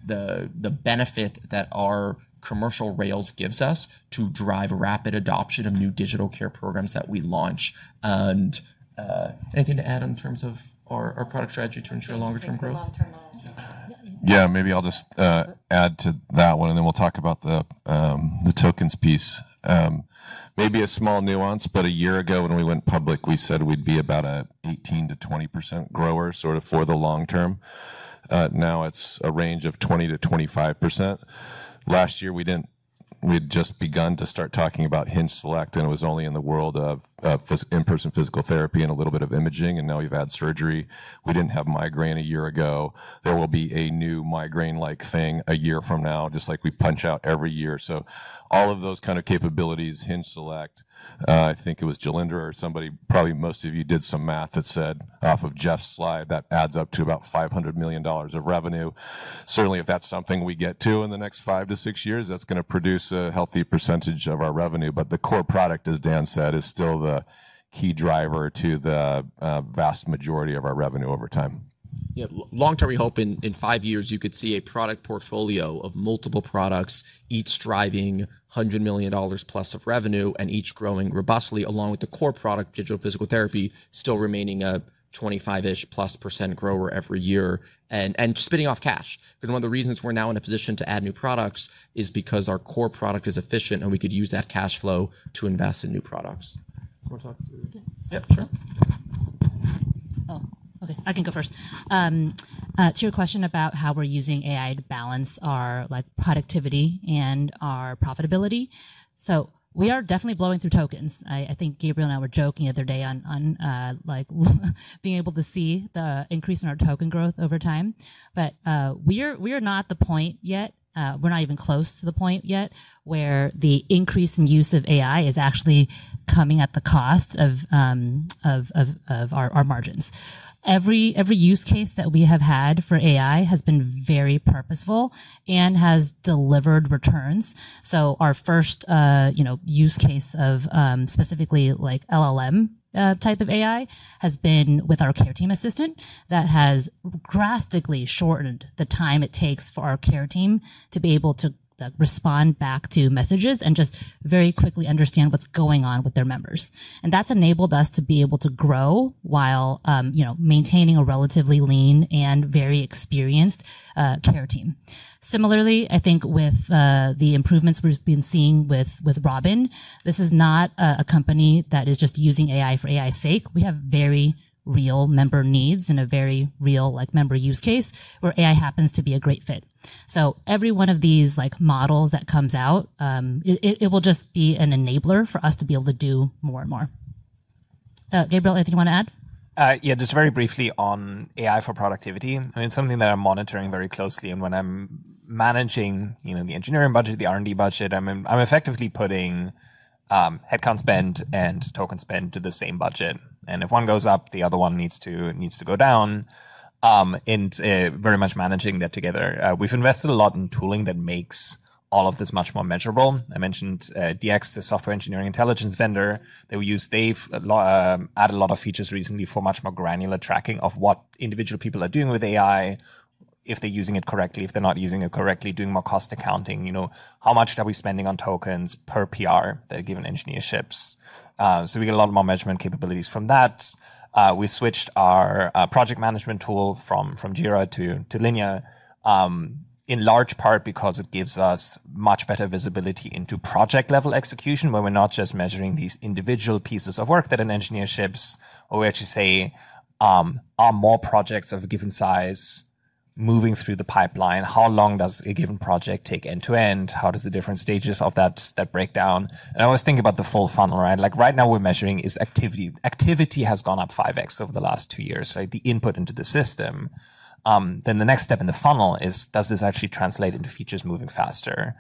the benefit that our commercial rails gives us to drive rapid adoption of new digital care programs that we launch. Anything to add in terms of our product strategy to ensure longer-term growth? James, take the long-term model. Maybe I'll just add to that one, and then we'll talk about the tokens piece. Maybe a small nuance, a year ago when we went public, we said we'd be about an 18%-20% grower sort of for the long term. It's a range of 20%-25%. Last year, we didn't We'd just begun to start talking about HingeSelect, and it was only in the world of in-person physical therapy and a little bit of imaging, and now we've add surgery. We didn't have migraine a year ago. There will be a new migraine-like thing a year from now, just like we punch out every year. All of those kind of capabilities, HingeSelect, I think it was Jailendra or somebody, probably most of you did some math that said off of Jeff's slide, that adds up to about $500 million of revenue. Certainly, if that's something we get to in the next five to six years, that's going to produce a healthy percentage of our revenue. The core product, as Dan said, is still the key driver to the vast majority of our revenue over time. Yeah. Long-term, we hope in five years, you could see a product portfolio of multiple products, each driving $100 million+ of revenue, and each growing robustly along with the core product, digital physical therapy, still remaining a 25%+ grower every year, and spinning off cash. One of the reasons we're now in a position to add new products is because our core product is efficient, and we could use that cash flow to invest in new products. You want to talk, Linda? Yeah. Yeah, sure. Okay. To your question about how we're using AI to balance our productivity and our profitability. We are definitely blowing through tokens. I think Gabriel and I were joking the other day on being able to see the increase in our token growth over time. We're not at the point yet, we're not even close to the point yet, where the increase in use of AI is actually coming at the cost of our margins. Every use case that we have had for AI has been very purposeful and has delivered returns. Our first use case of specifically LLM type of AI has been with our care team assistant that has drastically shortened the time it takes for our care team to be able to respond back to messages and just very quickly understand what's going on with their members. That's enabled us to be able to grow while maintaining a relatively lean and very experienced care team. Similarly, I think with the improvements we've been seeing with Robin, this is not a company that is just using AI for AI's sake. We have very real member needs and a very real member use case where AI happens to be a great fit. Every one of these models that comes out, it will just be an enabler for us to be able to do more and more. Gabriel, anything you want to add? Just very briefly on AI for productivity. It's something that I'm monitoring very closely, and when I'm managing the engineering budget, the R&D budget, I'm effectively putting headcount spend and token spend to the same budget. If one goes up, the other one needs to go down, and very much managing that together. We've invested a lot in tooling that makes all of this much more measurable. I mentioned DX, the software engineering intelligence vendor that we use. They've added a lot of features recently for much more granular tracking of what individual people are doing with AI, if they're using it correctly, if they're not using it correctly, doing more cost accounting. How much are we spending on tokens per PR the given engineer ships? We get a lot more measurement capabilities from that. We switched our project management tool from Jira to Linear, in large part because it gives us much better visibility into project-level execution, where we're not just measuring these individual pieces of work that an engineer ships, or we actually say, are more projects of a given size moving through the pipeline? How long does a given project take end to end? How does the different stages of that break down? I always think about the full funnel. Right now we're measuring is activity. Activity has gone up 5x over the last two years, the input into the system. The next step in the funnel is, does this actually translate into features moving faster?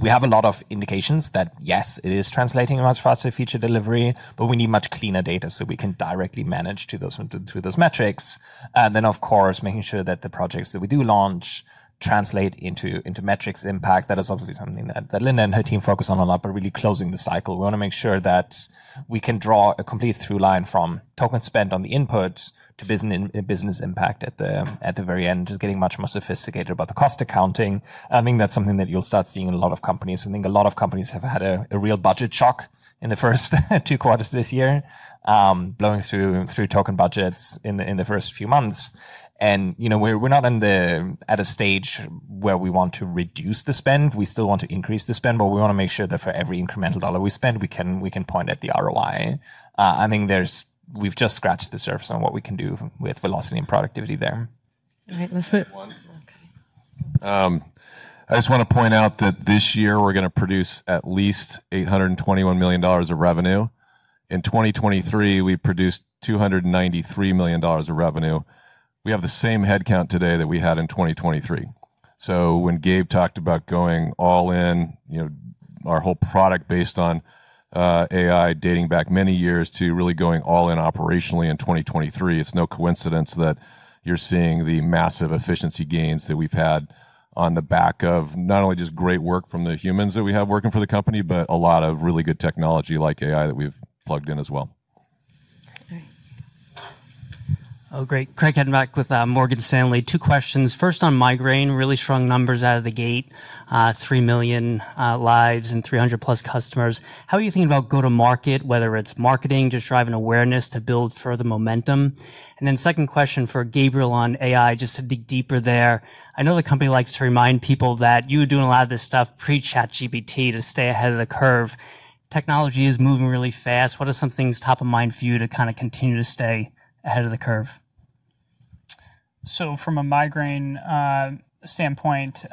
We have a lot of indications that, yes, it is translating a much faster feature delivery, but we need much cleaner data so we can directly manage through those metrics. Of course, making sure that the projects that we do launch translate into metrics impact. That is obviously something that Linda and her team focus on a lot, but really closing the cycle. We want to make sure that we can draw a complete through line from token spend on the input to business impact at the very end, just getting much more sophisticated about the cost accounting. I think that's something that you'll start seeing in a lot of companies. I think a lot of companies have had a real budget shock in the first 2 quarters this year, blowing through token budgets in the first few months. We're not at a stage where we want to reduce the spend. We still want to increase the spend, but we want to make sure that for every incremental dollar we spend, we can point at the ROI. I think we've just scratched the surface on what we can do with velocity and productivity there. All right. Let's move- One. Okay. I just want to point out that this year we're going to produce at least $821 million of revenue. In 2023, we produced $293 million of revenue. We have the same headcount today that we had in 2023. When Gabe talked about going all in, our whole product based on AI dating back many years to really going all in operationally in 2023, it's no coincidence that you're seeing the massive efficiency gains that we've had on the back of not only just great work from the humans that we have working for the company, but a lot of really good technology like AI that we've plugged in as well. Oh, great. Craig Henning with Morgan Stanley. Two questions. First on migraine, really strong numbers out of the gate. 3 million lives and 300+ customers. How are you thinking about go to market, whether it's marketing, just driving awareness to build further momentum? Second question for Gabriel on AI, just to dig deeper there. I know the company likes to remind people that you were doing a lot of this stuff pre-ChatGPT to stay ahead of the curve. Technology is moving really fast. What are some things top of mind for you to kind of continue to stay ahead of the curve? From a migraine standpoint,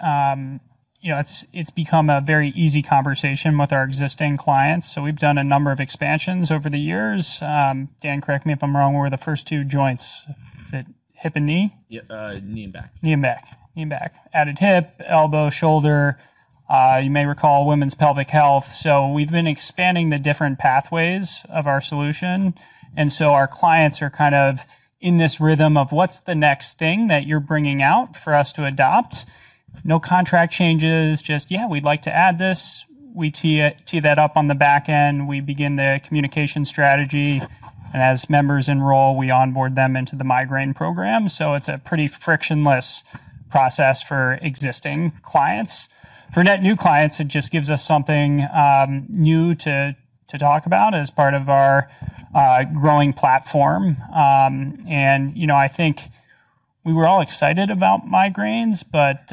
it's become a very easy conversation with our existing clients. We've done a number of expansions over the years. Dan, correct me if I'm wrong, what were the first two joints? Is it hip and knee? Yeah. Knee and back. Knee and back. Added hip, elbow, shoulder, you may recall women's pelvic health. We've been expanding the different pathways of our solution, our clients are kind of in this rhythm of what's the next thing that you're bringing out for us to adopt? No contract changes, just, "Yeah, we'd like to add this." We tee that up on the back end. We begin the communication strategy, and as members enroll, we onboard them into the migraine program. It's a pretty frictionless process for existing clients. For net-new clients, it just gives us something new to talk about as part of our growing platform. I think we were all excited about migraines, but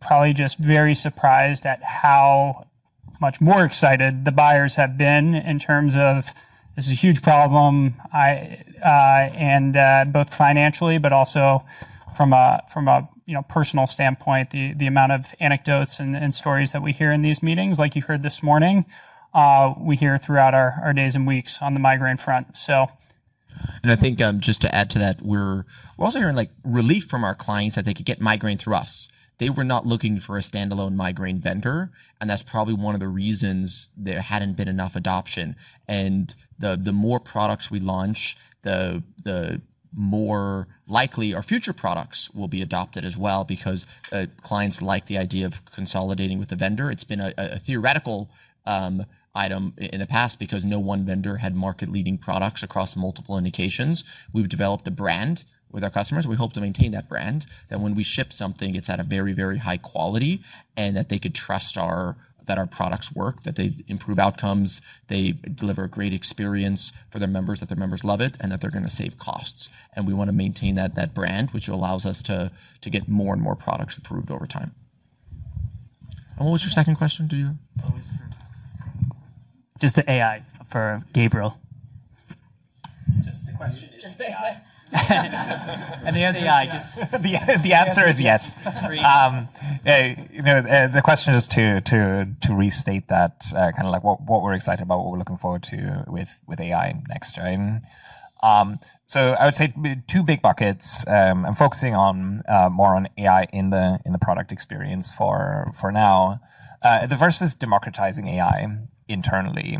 probably just very surprised at how much more excited the buyers have been in terms of this is a huge problem, both financially but also from a personal standpoint, the amount of anecdotes and stories that we hear in these meetings, like you heard this morning, we hear throughout our days and weeks on the migraine front. I think, just to add to that, we're also hearing relief from our clients that they could get migraine through us. They were not looking for a standalone migraine vendor, and that's probably one of the reasons there hadn't been enough adoption. The more products we launch, the more likely our future products will be adopted as well, because clients like the idea of consolidating with the vendor. It's been a theoretical item in the past because no one vendor had market-leading products across multiple indications. We've developed a brand with our customers. We hope to maintain that brand, that when we ship something, it's at a very high quality, and that they could trust that our products work, that they improve outcomes, they deliver a great experience for their members, that their members love it, and that they're going to save costs. We want to maintain that brand, which allows us to get more and more products approved over time. What was your second question? Just the AI for Gabriel. Just the question is AI. The answer is yes. The question is to restate that, kind of like what we're excited about, what we're looking forward to with AI next gen. I would say two big buckets. I'm focusing more on AI in the product experience for now versus democratizing AI internally.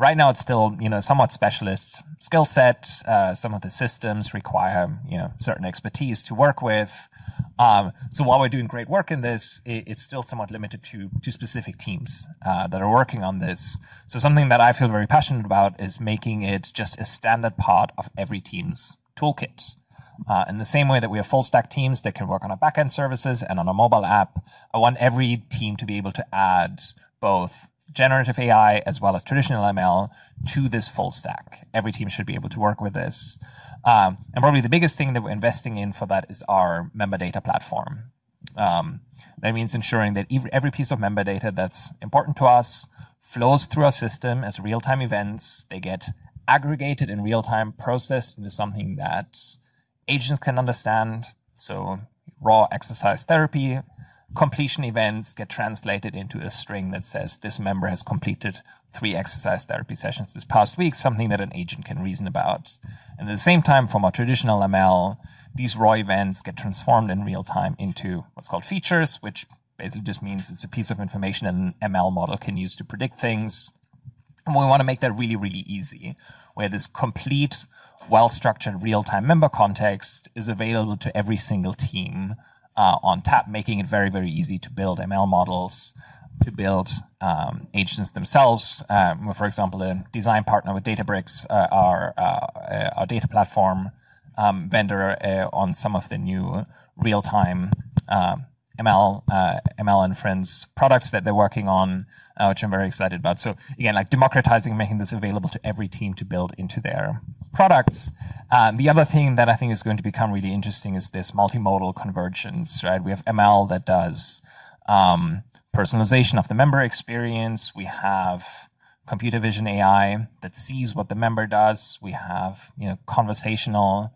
Right now it's still somewhat specialist skill set. Some of the systems require certain expertise to work with. While we're doing great work in this, it's still somewhat limited to specific teams that are working on this. Something that I feel very passionate about is making it just a standard part of every team's toolkit. In the same way that we have full stack teams that can work on our back-end services and on a mobile app, I want every team to be able to add both generative AI as well as traditional ML to this full stack. Every team should be able to work with this. Probably the biggest thing that we're investing in for that is our member data platform. That means ensuring that every piece of member data that's important to us flows through our system as real-time events. They get aggregated in real time, processed into something that agents can understand. Raw exercise therapy completion events get translated into a string that says, "This member has completed three exercise therapy sessions this past week," something that an agent can reason about. At the same time, from a traditional ML, these raw events get transformed in real time into what's called features, which basically just means it's a piece of information an ML model can use to predict things. We want to make that really easy where this complete, well-structured, real-time member context is available to every single team on tap, making it very easy to build ML models, to build agents themselves. For example, a design partner with Databricks, our data platform vendor on some of the new real-time ML and friends products that they're working on, which I'm very excited about. Again, democratizing, making this available to every team to build into their products. The other thing that I think is going to become really interesting is this multimodal convergence. We have ML that does personalization of the member experience. We have computer vision AI that sees what the member does. We have conversational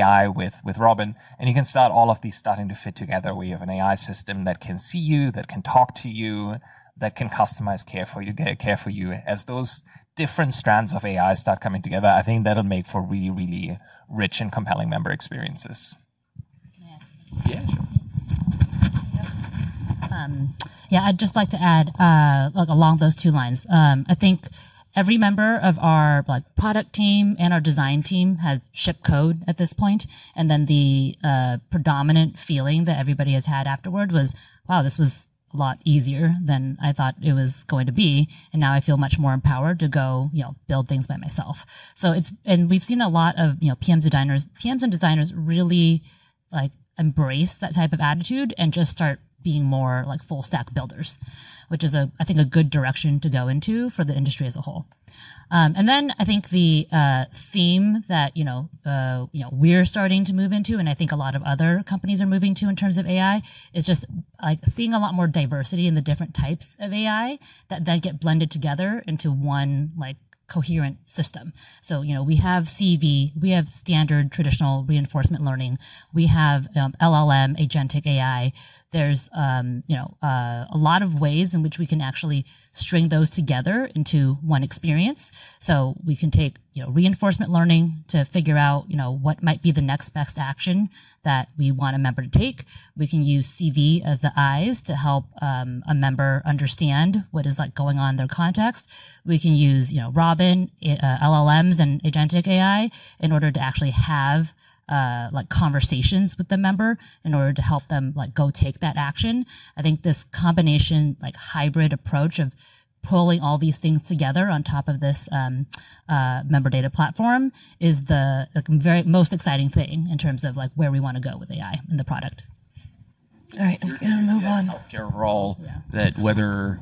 AI with Robin. You can start all of these starting to fit together, where you have an AI system that can see you, that can talk to you, that can customize care for you. As those different strands of AI start coming together, I think that'll make for really rich and compelling member experiences. I'd just like to add along those two lines. I think every member of our product team and our design team has shipped code at this point, then the predominant feeling that everybody has had afterward was, "Wow, this was a lot easier than I thought it was going to be, and now I feel much more empowered to go build things by myself." We've seen a lot of PMs and designers really embrace that type of attitude and just start being more full stack builders, which is, I think, a good direction to go into for the industry as a whole. I think the theme that, you know, we're starting to move into, and I think a lot of other companies are moving to in terms of AI, is just seeing a lot more diversity in the different types of AI that then get blended together into one coherent system. We have CV, we have standard traditional reinforcement learning. We have LLM, agentic AI. There's a lot of ways in which we can actually string those together into one experience. We can take reinforcement learning to figure out what might be the next best action that we want a member to take. We can use CV as the eyes to help a member understand what is going on in their context. We can use Robin, LLMs, and agentic AI in order to actually have conversations with the member in order to help them go take that action. I think this combination hybrid approach of pulling all these things together on top of this member data platform is the most exciting thing in terms of where we want to go with AI in the product. I'm going to move on. Healthcare role that whether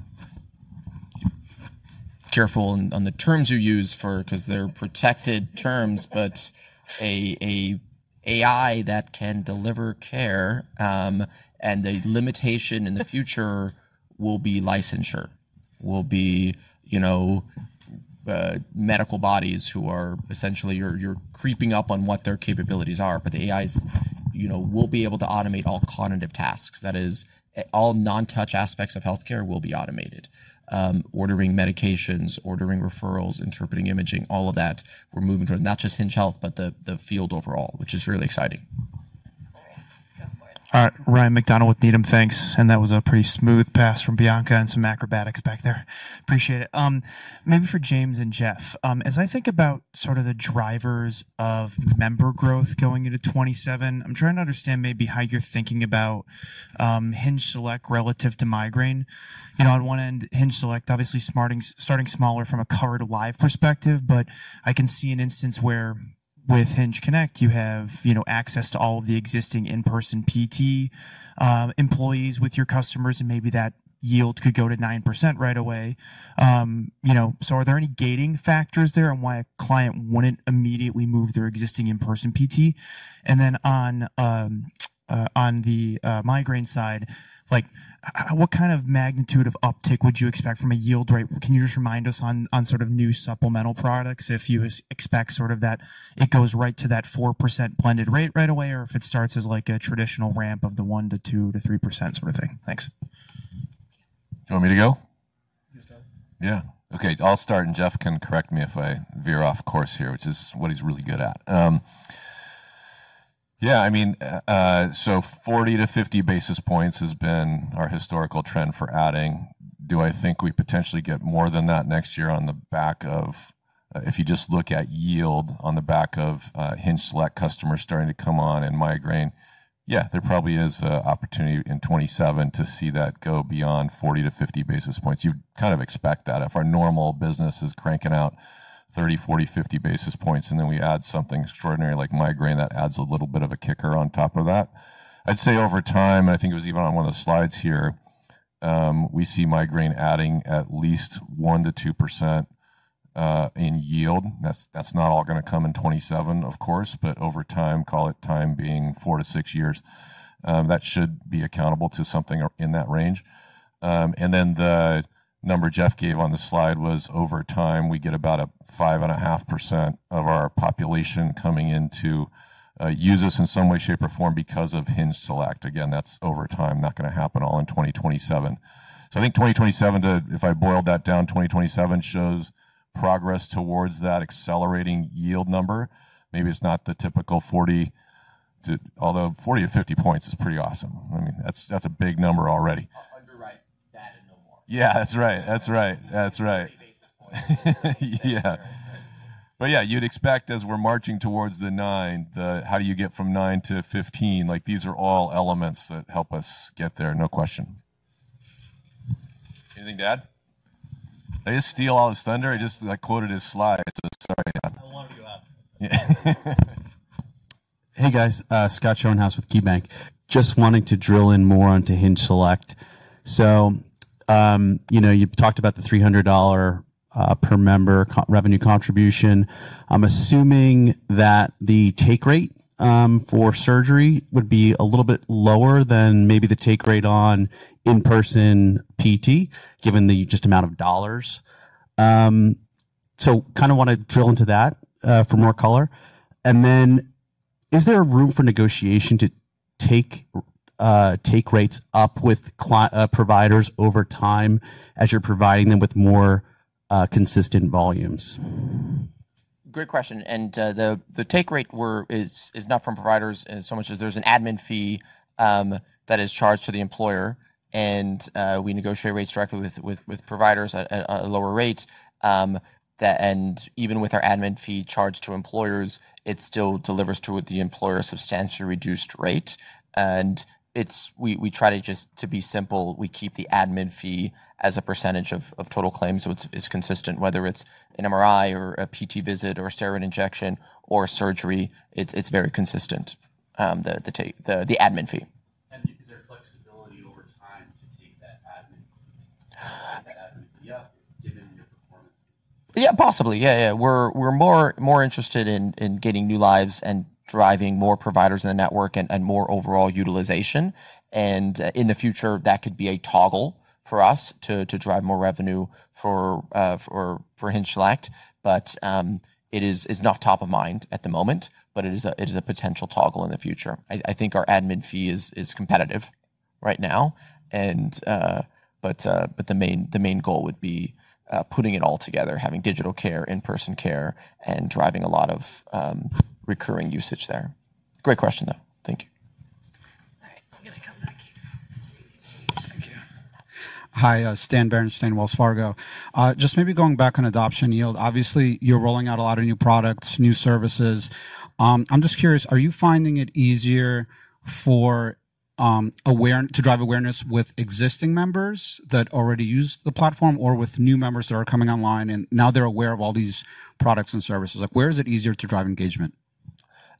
careful on the terms you use for, because they're protected terms, but a AI that can deliver care, and the limitation in the future will be licensure, will be medical bodies who are essentially, you're creeping up on what their capabilities are. The AIs will be able to automate all cognitive tasks. That is, all non-touch aspects of healthcare will be automated. Ordering medications, ordering referrals, interpreting imaging, all of that, we're moving toward not just Hinge Health, but the field overall, which is really exciting. All right. Ryan MacDonald with Needham. Thanks. That was a pretty smooth pass from Bianca and some acrobatics back there. Appreciate it. Maybe for James and Jeff, as I think about sort of the drivers of member growth going into 2027, I'm trying to understand maybe how you're thinking about HingeSelect relative to migraine. On one end, HingeSelect, obviously starting smaller from a covered live perspective, but I can see an instance where with HingeConnect, you have access to all of the existing in-person PT employees with your customers, and maybe that yield could go to 9% right away. Are there any gating factors there on why a client wouldn't immediately move their existing in-person PT? On the migraine side, what kind of magnitude of uptick would you expect from a yield rate? Can you just remind us on sort of new supplemental products if you expect sort of that it goes right to that 4% blended rate right away, or if it starts as like a traditional ramp of the 1% to 2% to 3% sort of thing. Thanks. Do you want me to go? Yes, go. Okay, I'll start. Jeff can correct me if I veer off course here, which is what he's really good at. 40 to 50 basis points has been our historical trend for adding. Do I think we potentially get more than that next year on the back of, if you just look at yield on the back of HingeSelect customers starting to come on and migraine, there probably is an opportunity in 2027 to see that go beyond 40 to 50 basis points. You kind of expect that. If our normal business is cranking out 30, 40, 50 basis points, we add something extraordinary like migraine, that adds a little bit of a kicker on top of that. I'd say over time. I think it was even on one of the slides here, we see migraine adding at least 1%-2% in yield. That's not all going to come in 2027, of course, but over time, call it time being four to 6 years, that should be accountable to something in that range. The number Jeff gave on the slide was over time, we get about a 5.5% of our population coming in to use us sixsome way, shape, or form because of HingeSelect. Again, that's over time, not going to happen all in 2027. I think 2027, if I boiled that down, 2027 shows progress towards that accelerating yield number. Maybe it's not the typical 40 to, although 40 to 50 points is pretty awesome. That's a big number already. Yeah, that's right. Yeah, you'd expect as we're marching towards the nine, how do you get from 9 to 15? These are all elements that help us get there, no question. Anything to add? Did I just steal all his thunder? I just quoted his slide, so sorry. I don't want to go after that. Hey, guys. Scott Schoenhaus with KeyBanc. Just wanting to drill in more onto HingeSelect. You talked about the $300 per member revenue contribution. I'm assuming that the take rate for surgery would be a little bit lower than maybe the take rate on in-person PT, given the just amount of dollars. Kind of want to drill into that for more color. Is there room for negotiation to take rates up with providers over time as you're providing them with more consistent volumes? Great question. The take rate is not from providers so much as there's an admin fee that is charged to the employer. We negotiate rates directly with providers at a lower rate. Even with our admin fee charged to employers, it still delivers to the employer a substantially reduced rate. We try to just to be simple, we keep the admin fee as a percentage of total claims, so it's consistent whether it's an MRI or a PT visit or a steroid injection or surgery. It's very consistent, the admin fee. Yeah, possibly. Yeah. We're more interested in getting new lives and driving more providers in the network and more overall utilization. In the future, that could be a toggle for us to drive more revenue for HingeSelect. It is not top of mind at the moment, but it is a potential toggle in the future. I think our admin fee is competitive right now. The main goal would be putting it all together, having digital care, in-person care, and driving a lot of recurring usage there. Great question, though. Thank you. Thank you. Hi, Stan Berenshteyn, Wells Fargo. Maybe going back on adoption yield, obviously, you're rolling out a lot of new products, new services. I'm just curious, are you finding it easier to drive awareness with existing members that already use the platform or with new members that are coming online and now they're aware of all these products and services? Where is it easier to drive engagement?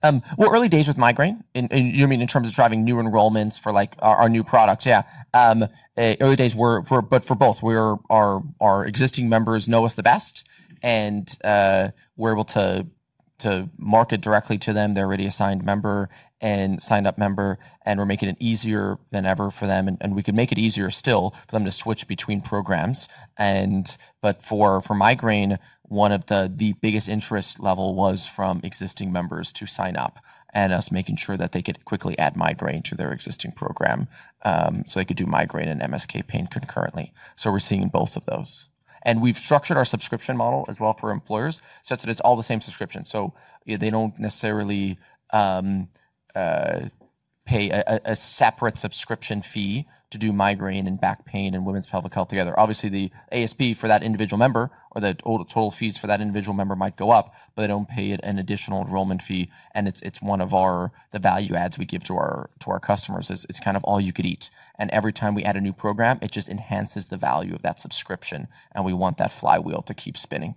Well, early days with migraine, you mean in terms of driving new enrollments for our new product? Yeah. Early days, for both. Our existing members know us the best, we're able to market directly to them. They're already a signed member and signed-up member, we're making it easier than ever for them, we could make it easier still for them to switch between programs. For migraine, one of the biggest interest level was from existing members to sign up and us making sure that they could quickly add migraine to their existing program, so they could do migraine and MSK pain concurrently. We're seeing both of those. We've structured our subscription model as well for employers such that it's all the same subscription. They don't necessarily pay a separate subscription fee to do migraine and back pain and women's pelvic health together. Obviously, the ASP for that individual member, or the total fees for that individual member might go up, they don't pay an additional enrollment fee, it's one of the value adds we give to our customers is it's kind of all you could eat. Every time we add a new program, it just enhances the value of that subscription, we want that flywheel to keep spinning.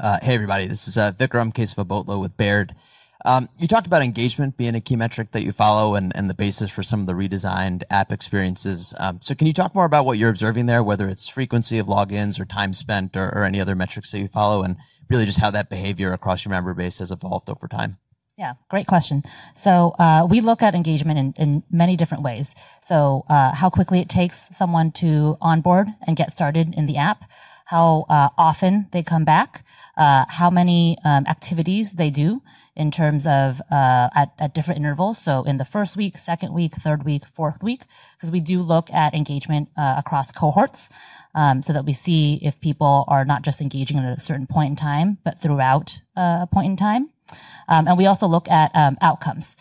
Hey, everybody. This is Vikram Kesavabhotla with Baird. Can you talk more about what you're observing there, whether it's frequency of logins or time spent or any other metrics that you follow, and really just how that behavior across your member base has evolved over time? Yeah. Great question. We look at engagement in many different ways. How quickly it takes someone to onboard and get started in the app, how often they come back, how many activities they do in terms of at different intervals, in the first week, second week, third week, fourth week, because we do look at engagement across cohorts, so that we see if people are not just engaging at a certain point in time, but throughout a point in time. We also look at outcomes.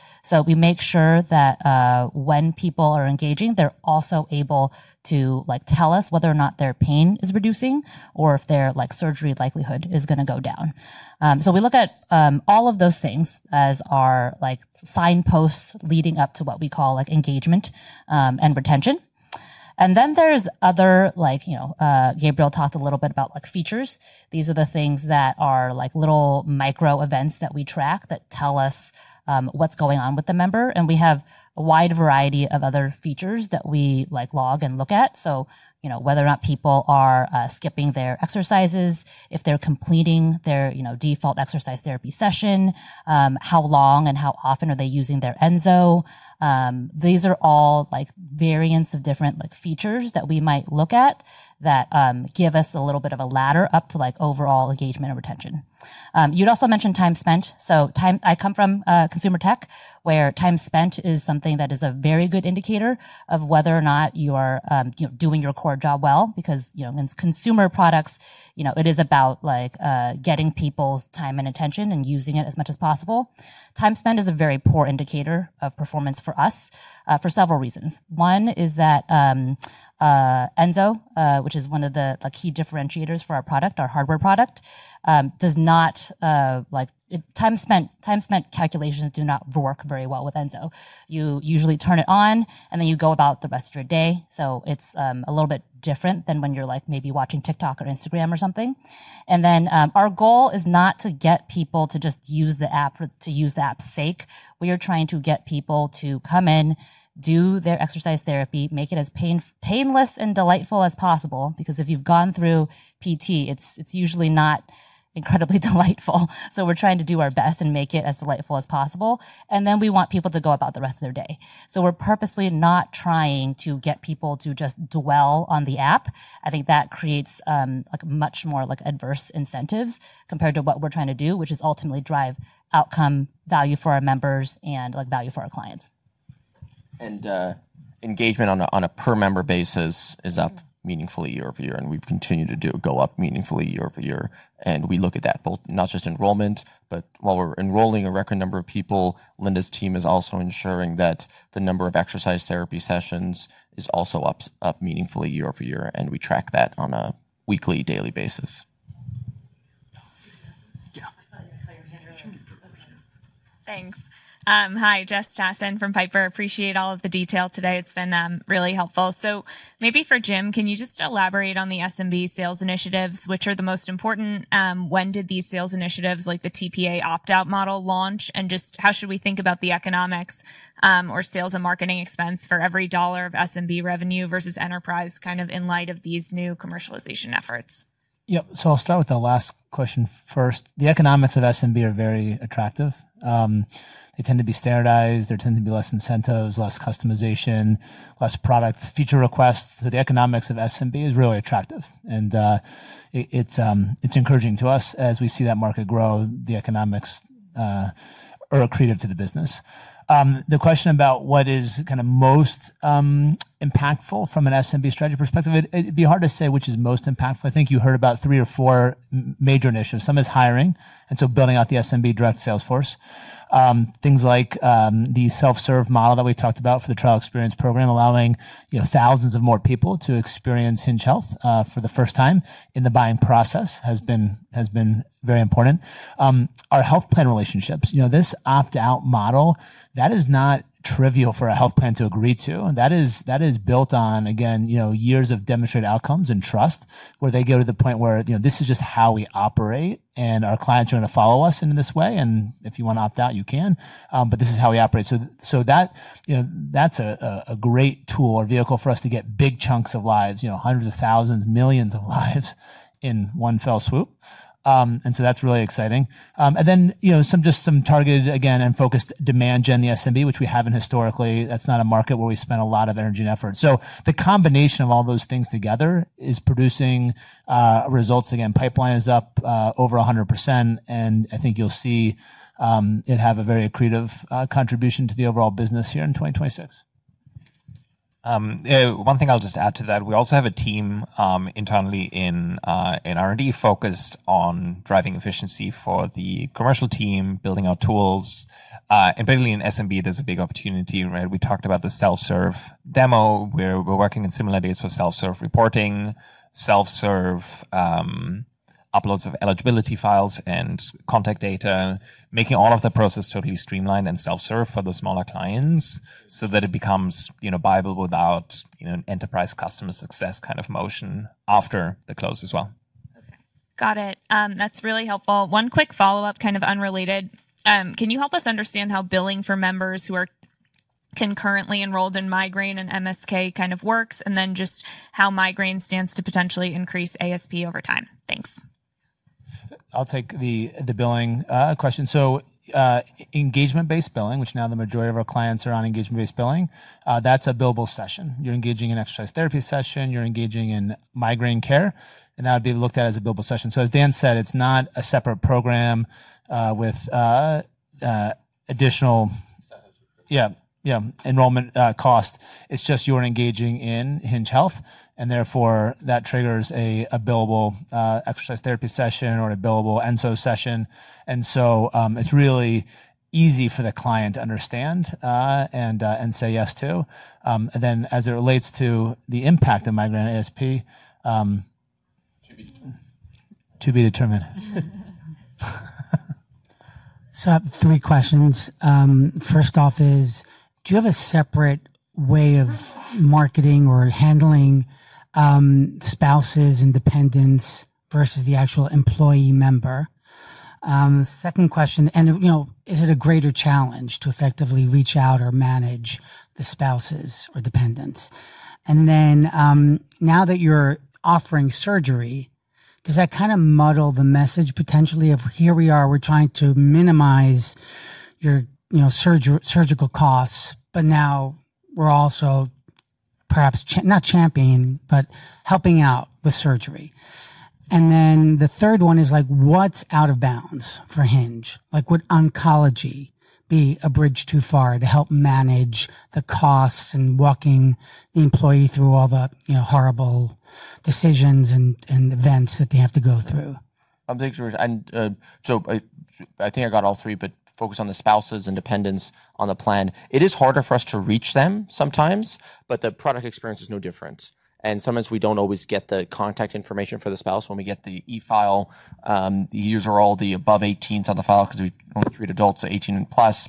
We make sure that when people are engaging, they're also able to tell us whether or not their pain is reducing or if their surgery likelihood is going to go down. We look at all of those things as our signposts leading up to what we call engagement and retention. There's other, Gabriel talked a little bit about features. These are the things that are little micro events that we track that tell us what's going on with the member, and we have a wide variety of other features that we log and look at. Whether or not people are skipping their exercises, if they're completing their default exercise therapy session, how long and how often are they using their Enso. These are all variants of different features that we might look at that give us a little bit of a ladder up to overall engagement and retention. You'd also mentioned time spent. I come from consumer tech, where time spent is something that is a very good indicator of whether or not you are doing your core job well because in consumer products, it is about getting people's time and attention and using it as much as possible. Time spent is a very poor indicator of performance for us, for several reasons. One is that Enso, which is one of the key differentiators for our product, our hardware product, time spent calculations do not work very well with Enso. You usually turn it on, and then you go about the rest of your day. It's a little bit different than when you're maybe watching TikTok or Instagram or something. Our goal is not to get people to just use the app for the app's sake. We are trying to get people to come in, do their exercise therapy, make it as painless and delightful as possible, because if you've gone through PT, it's usually not incredibly delightful. We're trying to do our best and make it as delightful as possible. Then we want people to go about the rest of their day. We're purposely not trying to get people to just dwell on the app. I think that creates much more adverse incentives compared to what we're trying to do, which is ultimately drive outcome value for our members and value for our clients. Engagement on a per member basis is up meaningfully year-over-year, we've continued to go up meaningfully year-over-year. We look at that both, not just enrollment, but while we're enrolling a record number of people, Linda's team is also ensuring that the number of exercise therapy sessions is also up meaningfully year-over-year, we track that on a weekly, daily basis. Thanks. Hi. Jess Tassan from Piper. Appreciate all of the detail today. It's been really helpful. Maybe for Jim, can you just elaborate on the SMB sales initiatives, which are the most important? When did these sales initiatives, like the TPA opt-out model launch, and just how should we think about the economics or sales and marketing expense for every dollar of SMB revenue versus enterprise, kind of in light of these new commercialization efforts? Yep. I'll start with the last question first. The economics of SMB are very attractive. They tend to be standardized. There tend to be less incentives, less customization, less product feature requests. The economics of SMB is really attractive, and it's encouraging to us as we see that market grow, the economics are accretive to the business. The question about what is most impactful from an SMB strategy perspective, it'd be hard to say which is most impactful. I think you heard about three or four major initiatives. Some is hiring, building out the SMB direct sales force. Things like the self-serve model that we talked about for the Trial Experience Program, allowing thousands of more people to experience Hinge Health for the first time in the buying process has been very important. Our health plan relationships, this opt-out model, that is not trivial for a health plan to agree to. That is built on, again, years of demonstrated outcomes and trust, where they go to the point where this is just how we operate. Our clients are going to follow us in this way. If you want to opt out, you can. This is how we operate. That's a great tool or vehicle for us to get big chunks of lives, hundreds of thousands, millions of lives in one fell swoop. That's really exciting. Just some targeted again and focused demand gen, the SMB, which we haven't historically. That's not a market where we spend a lot of energy and effort. The combination of all those things together is producing results. Again, pipeline is up over 100%. I think you'll see it have a very accretive contribution to the overall business here in 2026. One thing I'll just add to that, we also have a team internally in R&D focused on driving efficiency for the commercial team, building out tools. Particularly in SMB, there's a big opportunity, right? We talked about the self-serve demo, where we're working in similar days for self-serve reporting, self-serve uploads of eligibility files and contact data, making all of the process totally streamlined and self-serve for the smaller clients so that it becomes viable without an enterprise customer success kind of motion after the close as well. Okay. Got it. That's really helpful. One quick follow-up, kind of unrelated. Can you help us understand how billing for members who are concurrently enrolled in migraine and MSK kind of works, and then just how migraine stands to potentially increase ASP over time? Thanks. I'll take the billing question. Engagement-based billing, which now the majority of our clients are on engagement-based billing, that's a billable session. You're engaging in exercise therapy session, you're engaging in migraine care, and that would be looked at as a billable session. As Dan said, it's not a separate program with additional- Separate yeah, enrollment cost. It's just you're engaging in Hinge Health, and therefore, that triggers a billable exercise therapy session or a billable Enso session. It's really easy for the client to understand, and say yes to. As it relates to the impact of migraine ASP- To be determined to be determined. I have three questions. First off is, do you have a separate way of marketing or handling spouses and dependents versus the actual employee member? Second question, is it a greater challenge to effectively reach out or manage the spouses or dependents? Now that you're offering surgery, does that kind of muddle the message potentially of, here we are, we're trying to minimize your surgical costs, but now we're also perhaps not championing, but helping out with surgery. The third one is like, what's out of bounds for Hinge? Like, would oncology be a bridge too far to help manage the costs and walking the employee through all the horrible decisions and events that they have to go through? I think I got all three, but focus on the spouses and dependents on the plan. It is harder for us to reach them sometimes, but the product experience is no different. Sometimes we don't always get the contact information for the spouse when we get the e-file. The users are all the above 18s on the file because we only treat adults 18 and plus.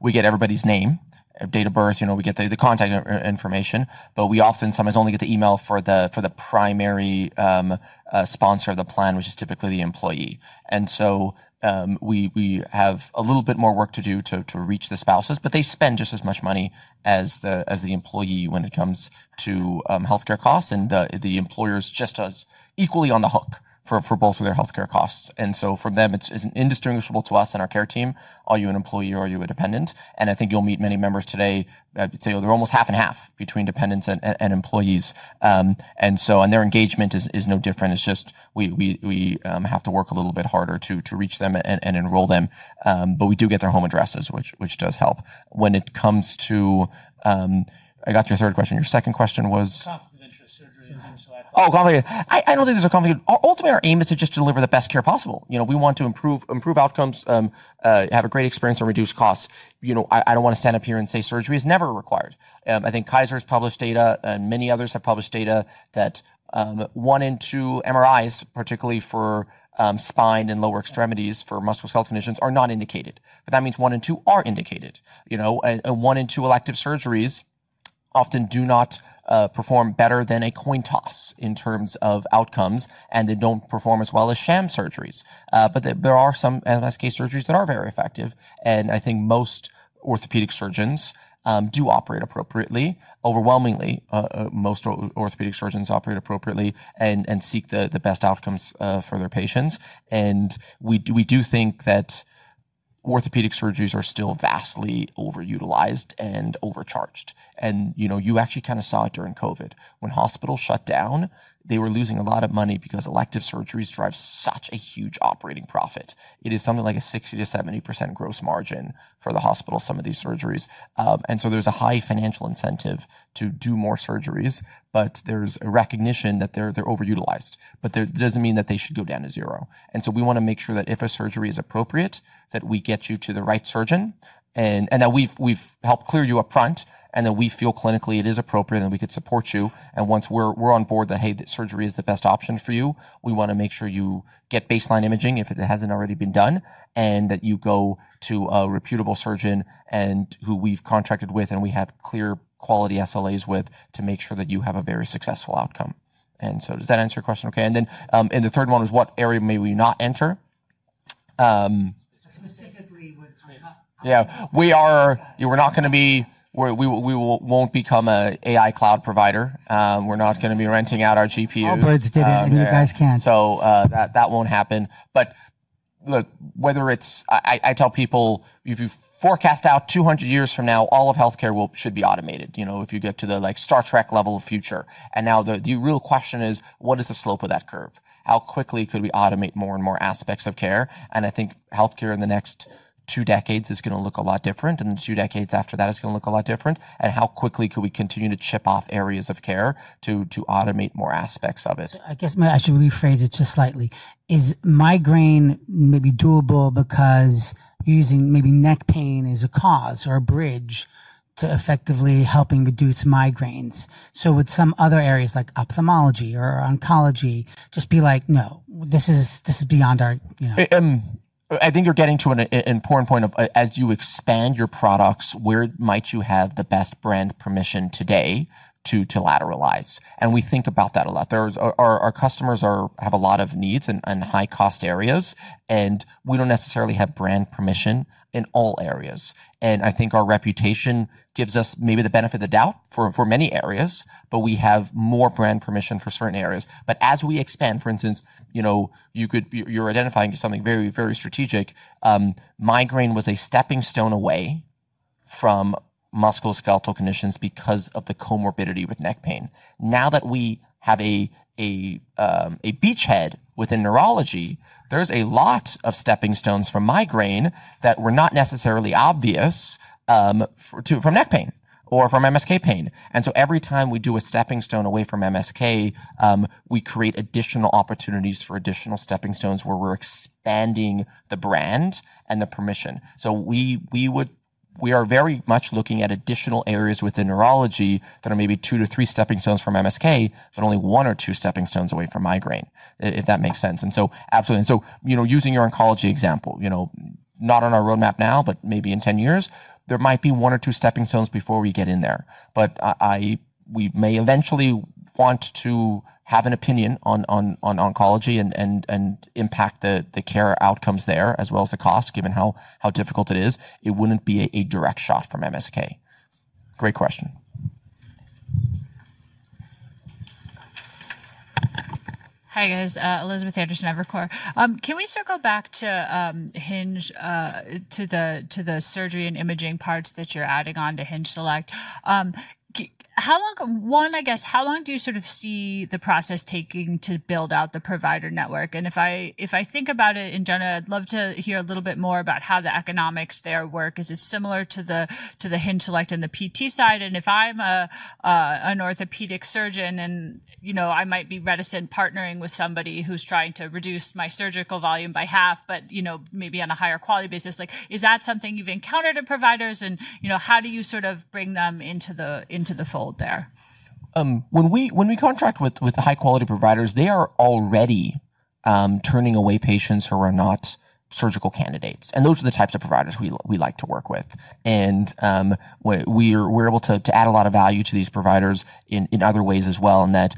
We get everybody's name, date of birth, we get the contact information, but we often sometimes only get the email for the primary sponsor of the plan, which is typically the employee. We have a little bit more work to do to reach the spouses, but they spend just as much money as the employee when it comes to healthcare costs, and the employer's just as equally on the hook for both of their healthcare costs. For them, it's indistinguishable to us and our care team, are you an employee or are you a dependent? I think you'll meet many members today that say they're almost half and half between dependents and employees. Their engagement is no different. It's just we have to work a little bit harder to reach them and enroll them. We do get their home addresses, which does help. I got your third question. Your second question was- Confidential surgery Oh, confidential. I don't think there's a confidential. Ultimately, our aim is to just deliver the best care possible. We want to improve outcomes, have a great experience, and reduce costs. I don't want to stand up here and say surgery is never required. I think Kaiser's published data and many others have published data that one in two MRIs, particularly for spine and lower extremities for musculoskeletal conditions, are not indicated. That means one in two are indicated. One in two elective surgeries often do not perform better than a coin toss in terms of outcomes, and they don't perform as well as sham surgeries. There are some MSK surgeries that are very effective, and I think most orthopedic surgeons do operate appropriately. Overwhelmingly, most orthopedic surgeons operate appropriately and seek the best outcomes for their patients. We do think that orthopedic surgeries are still vastly overutilized and overcharged. You actually kind of saw it during COVID. When hospitals shut down, they were losing a lot of money because elective surgeries drive such a huge operating profit. It is something like a 60%-70% gross margin for the hospital, some of these surgeries. So there's a high financial incentive to do more surgeries, but there's a recognition that they're overutilized. That doesn't mean that they should go down to zero. So we want to make sure that if a surgery is appropriate, that we get you to the right surgeon, and that we've helped clear you upfront, and that we feel clinically it is appropriate and we could support you. Once we're on board that, hey, this surgery is the best option for you, we want to make sure you get baseline imaging if it hasn't already been done, and that you go to a reputable surgeon and who we've contracted with and we have clear quality SLAs with to make sure that you have a very successful outcome. So does that answer your question okay? The third one was what area may we not enter? Specifically with- Yeah. We won't become an AI cloud provider. We're not going to be renting out our GPUs. You guys can't. That won't happen. Look, I tell people, if you forecast out 200 years from now, all of healthcare should be automated. If you get to the Star Trek level of future. Now the real question is: what is the slope of that curve? How quickly could we automate more and more aspects of care? I think healthcare in the next two decades is going to look a lot different, then two decades after that, it's going to look a lot different. How quickly could we continue to chip off areas of care to automate more aspects of it? I guess maybe I should rephrase it just slightly. Is migraine maybe doable because using maybe neck pain as a cause or a bridge to effectively helping reduce migraines? Would some other areas like ophthalmology or oncology just be like, "No, this is beyond our I think you're getting to an important point of, as you expand your products, where might you have the best brand permission today to lateralize? We think about that a lot. Our customers have a lot of needs in high-cost areas, and we don't necessarily have brand permission in all areas. I think our reputation gives us maybe the benefit of the doubt for many areas, but we have more brand permission for certain areas. As we expand, for instance, you're identifying something very strategic. Migraine was a stepping stone away from musculoskeletal conditions because of the comorbidity with neck pain. Now that we have a beachhead within neurology, there's a lot of stepping stones from Migraine that were not necessarily obvious from neck pain or from MSK pain. Every time we do a stepping stone away from MSK, we create additional opportunities for additional stepping stones where we're expanding the brand and the permission. We are very much looking at additional areas within neurology that are maybe 2-3 stepping stones from MSK, but only one or two stepping stones away from Migraine, if that makes sense. Absolutely. Using your oncology example, not on our roadmap now, but maybe in 10 years, there might be one or two stepping stones before we get in there. We may eventually want to have an opinion on oncology and impact the care outcomes there, as well as the cost, given how difficult it is. It wouldn't be a direct shot from MSK. Great question. Hi, guys. Elizabeth Anderson, Evercore. Can we circle back to Hinge, to the surgery and imaging parts that you're adding on to HingeSelect. One, I guess, how long do you sort of see the process taking to build out the provider network? If I think about it in general, I'd love to hear a little bit more about how the economics there work, because it's similar to the HingeSelect and the PT side. If I'm an orthopedic surgeon, and I might be reticent partnering with somebody who's trying to reduce my surgical volume by half, but maybe on a higher quality basis. Is that something you've encountered in providers? How do you sort of bring them into the fold there? When we contract with the high-quality providers, they are already turning away patients who are not surgical candidates. Those are the types of providers we like to work with. We're able to add a lot of value to these providers in other ways as well in that,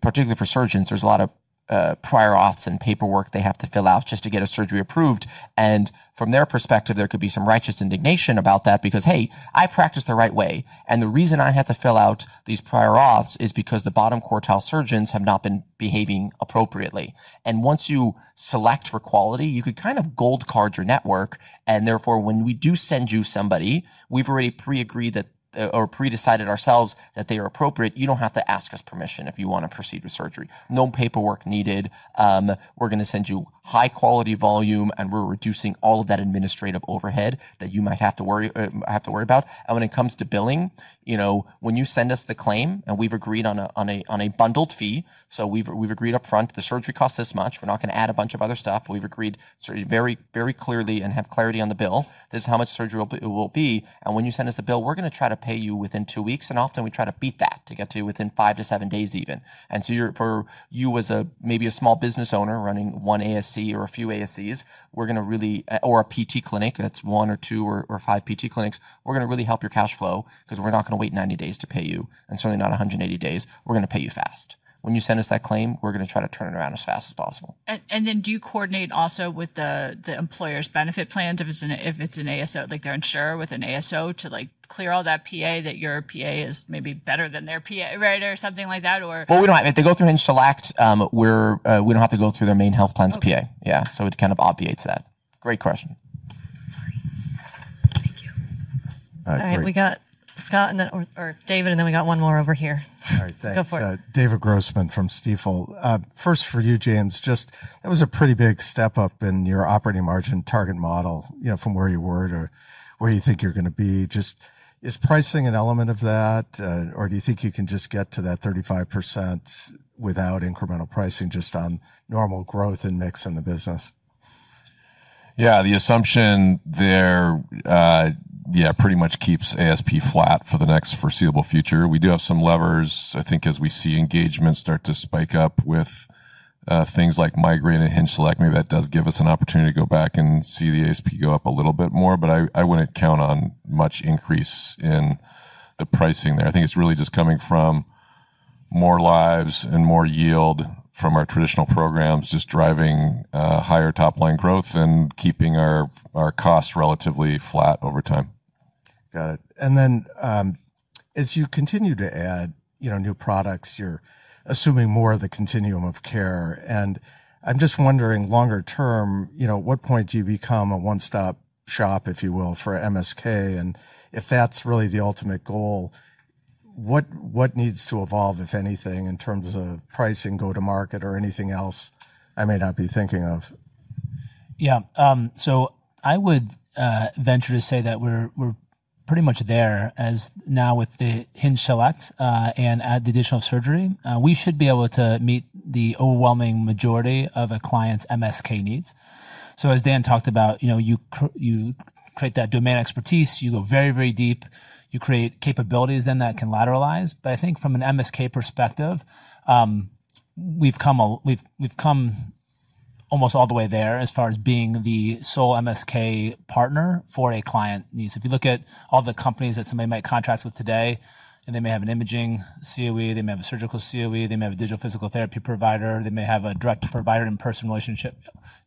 particularly for surgeons, there's a lot of prior auths and paperwork they have to fill out just to get a surgery approved. From their perspective, there could be some righteous indignation about that because, hey, I practice the right way, and the reason I have to fill out these prior auths is because the bottom quartile surgeons have not been behaving appropriately. Once you select for quality, you could kind of gold card your network, and therefore, when we do send you somebody, we've already pre-agreed or pre-decided ourselves that they are appropriate. You don't have to ask us permission if you want to proceed with surgery. No paperwork needed. We're going to send you high-quality volume. We're reducing all of that administrative overhead that you might have to worry about. When it comes to billing, when you send us the claim, we've agreed on a bundled fee. We've agreed upfront the surgery costs this much. We're not going to add a bunch of other stuff. We've agreed very clearly and have clarity on the bill. This is how much surgery it will be. When you send us the bill, we're going to try to pay you within two weeks, and often we try to beat that to get to within five to seven days even. For you as maybe a small business owner running one ASC or a few ASCs or a PT clinic that's one or two or five PT clinics, we're going to really help your cash flow because we're not going to wait 90 days to pay you, and certainly not 180 days. We're going to pay you fast. When you send us that claim, we're going to try to turn it around as fast as possible. Do you coordinate also with the employer's benefit plans if it's an ASO, like their insurer with an ASO to clear all that PA that your PA is maybe better than their PA, right, or something like that? Well, we don't. If they go through HingeSelect, we don't have to go through their main health plan's PA. Okay. Yeah. It kind of obviates that. Great question. All right. We got Scott, or David, and then we got one more over here. All right. Thanks. Go for it. David Grossman from Stifel. First for you, James, that was a pretty big step-up in your operating margin target model from where you were to where you think you're going to be. Just is pricing an element of that? Do you think you can just get to that 35% without incremental pricing, just on normal growth and mix in the business? Yeah. The assumption there pretty much keeps ASP flat for the next foreseeable future. We do have some levers, I think, as we see engagement start to spike up with things like Migraine and HingeSelect. Maybe that does give us an opportunity to go back and see the ASP go up a little bit more, but I wouldn't count on much increase in the pricing there. I think it's really just coming from more lives and more yield from our traditional programs, just driving higher top-line growth and keeping our costs relatively flat over time. Got it. Then, as you continue to add new products, you're assuming more of the continuum of care, and I'm just wondering, longer term, at what point do you become a one-stop shop, if you will, for MSK? If that's really the ultimate goal, what needs to evolve, if anything, in terms of pricing go to market or anything else I may not be thinking of? Yeah. I would venture to say that we're pretty much there as now with the HingeSelect, and add the additional surgery. We should be able to meet the overwhelming majority of a client's MSK needs. As Dan talked about, you create that domain expertise. You go very, very deep. You create capabilities then that can lateralize. I think from an MSK perspective, we've come almost all the way there as far as being the sole MSK partner for a client's needs. If you look at all the companies that somebody might contract with today, and they may have an imaging COE, they may have a surgical COE, they may have a digital physical therapy provider, they may have a direct-to-provider and personal relationship.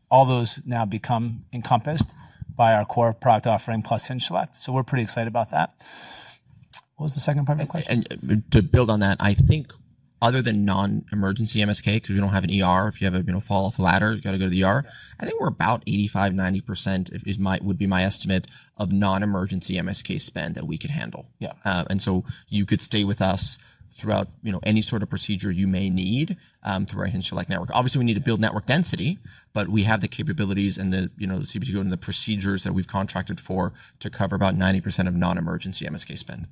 All those now become encompassed by our core product offering, plus HingeSelect. We're pretty excited about that. What was the second part of the question? To build on that, I think other than non-emergency MSK, because we don't have an ER. If you ever fall off a ladder, you got to go to the ER. I think we're about 85%-90%, would be my estimate, of non-emergency MSK spend that we could handle. Yeah. You could stay with us throughout any sort of procedure you may need through our HingeSelect network. Obviously, we need to build network density, but we have the capabilities and the CPT code, and the procedures that we've contracted for to cover about 90% of non-emergency MSK spend.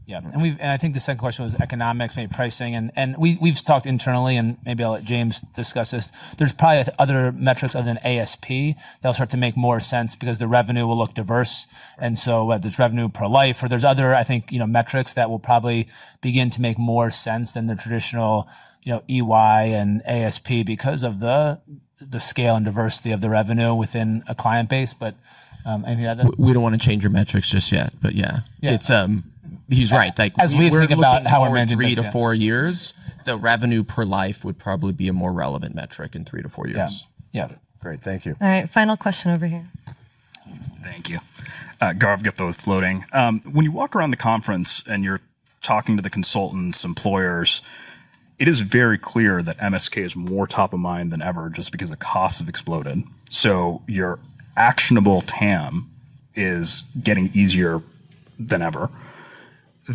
I think the second question was economics, maybe pricing, and we've talked internally, and maybe I'll let James discuss this. There's probably other metrics other than ASP that'll start to make more sense because the revenue will look diverse, and so there's revenue per life, or there's other, I think, metrics that will probably begin to make more sense than the traditional EY and ASP because of the scale and diversity of the revenue within a client base. Anything to add there? We don't want to change your metrics just yet. Yeah. Yeah. He's right. As we think about how our margin builds, yeah If we're looking over three to four years, the revenue per life would probably be a more relevant metric in three to four years. Yeah. Great. Thank you. All right. Final question over here. Thank you. [Garv Getboth], [Floating]. When you walk around the conference and you're talking to the consultants, employers, it is very clear that MSK is more top of mind than ever, just because the costs have exploded. Your actionable TAM is getting easier than ever.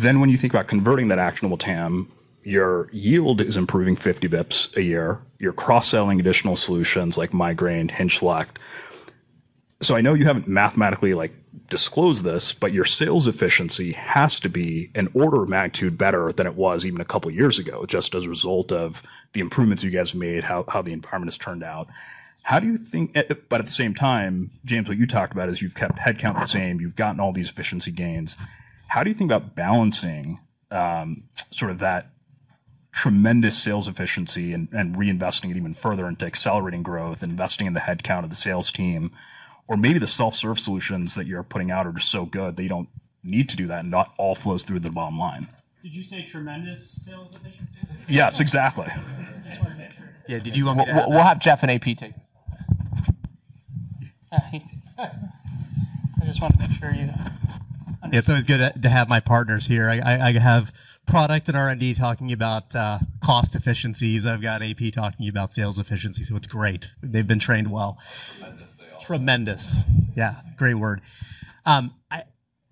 When you think about converting that actionable TAM, your yield is improving 50 basis points a year. You're cross-selling additional solutions like Migraine, HingeSelect. I know you haven't mathematically disclosed this, but your sales efficiency has to be an order of magnitude better than it was even a couple of years ago, just as a result of the improvements you guys have made, how the environment has turned out. At the same time, James, what you talked about is you've kept headcount the same. You've gotten all these efficiency gains. How do you think about balancing that tremendous sales efficiency and reinvesting it even further into accelerating growth, investing in the headcount of the sales team? Maybe the self-serve solutions that you're putting out are just so good that you don't need to do that, and it all flows through the bottom line. Did you say tremendous sales efficiency? Yes, exactly. Just want to make sure. We'll have Jeff and AP take it. I just want to make sure. It's always good to have my partners here. I have product and R&D talking about cost efficiencies. I've got AP talking about sales efficiency, so it's great. They've been trained well. Tremendous. Yeah. Great word.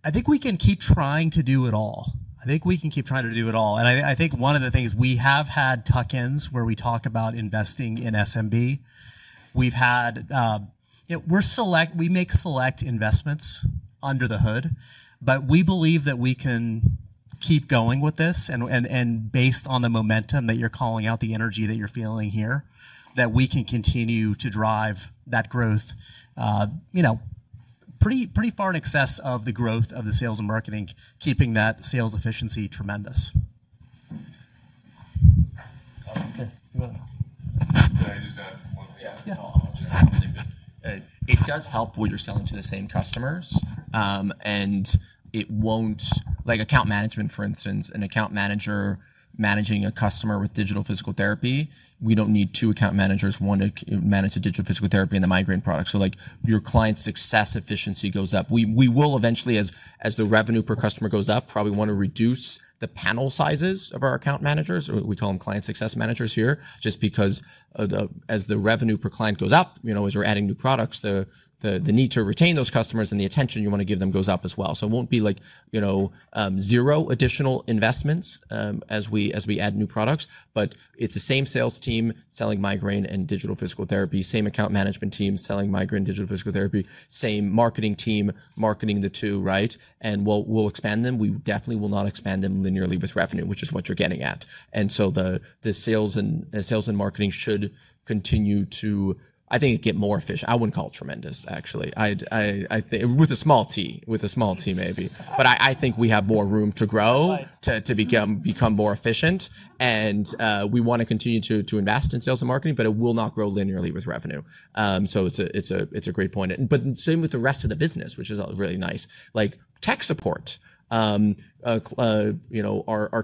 I think we can keep trying to do it all. I think one of the things, we have had tuck-ins where we talk about investing in SMB. We make select investments under the hood, but we believe that we can keep going with this, and based on the momentum that you're calling out, the energy that you're feeling here, that we can continue to drive that growth pretty far in excess of the growth of the sales and marketing, keeping that sales efficiency tremendous. Okay. I'll jump in. That's good. It does help when you're selling to the same customers. Account management, for instance, an account manager managing a customer with digital physical therapy, we don't need two account managers. One to manage the digital physical therapy and the migraine product. Your client success efficiency goes up. We will eventually, as the revenue per customer goes up, probably want to reduce the panel sizes of our account managers, or we call them client success managers here, just because as the revenue per client goes up, as we're adding new products, the need to retain those customers and the attention you want to give them goes up as well. It won't be zero additional investments as we add new products. It's the same sales team selling migraine and digital physical therapy, same account management team selling migraine digital physical therapy, same marketing team marketing the two, right? We'll expand them. We definitely will not expand them linearly with revenue, which is what you're getting at. The sales and marketing should continue to, I think, get more efficient. I wouldn't call it tremendous, actually. With a small t maybe. I think we have more room to grow, to become more efficient, and we want to continue to invest in sales and marketing, but it will not grow linearly with revenue. It's a great point. Same with the rest of the business, which is really nice. Like tech support. Our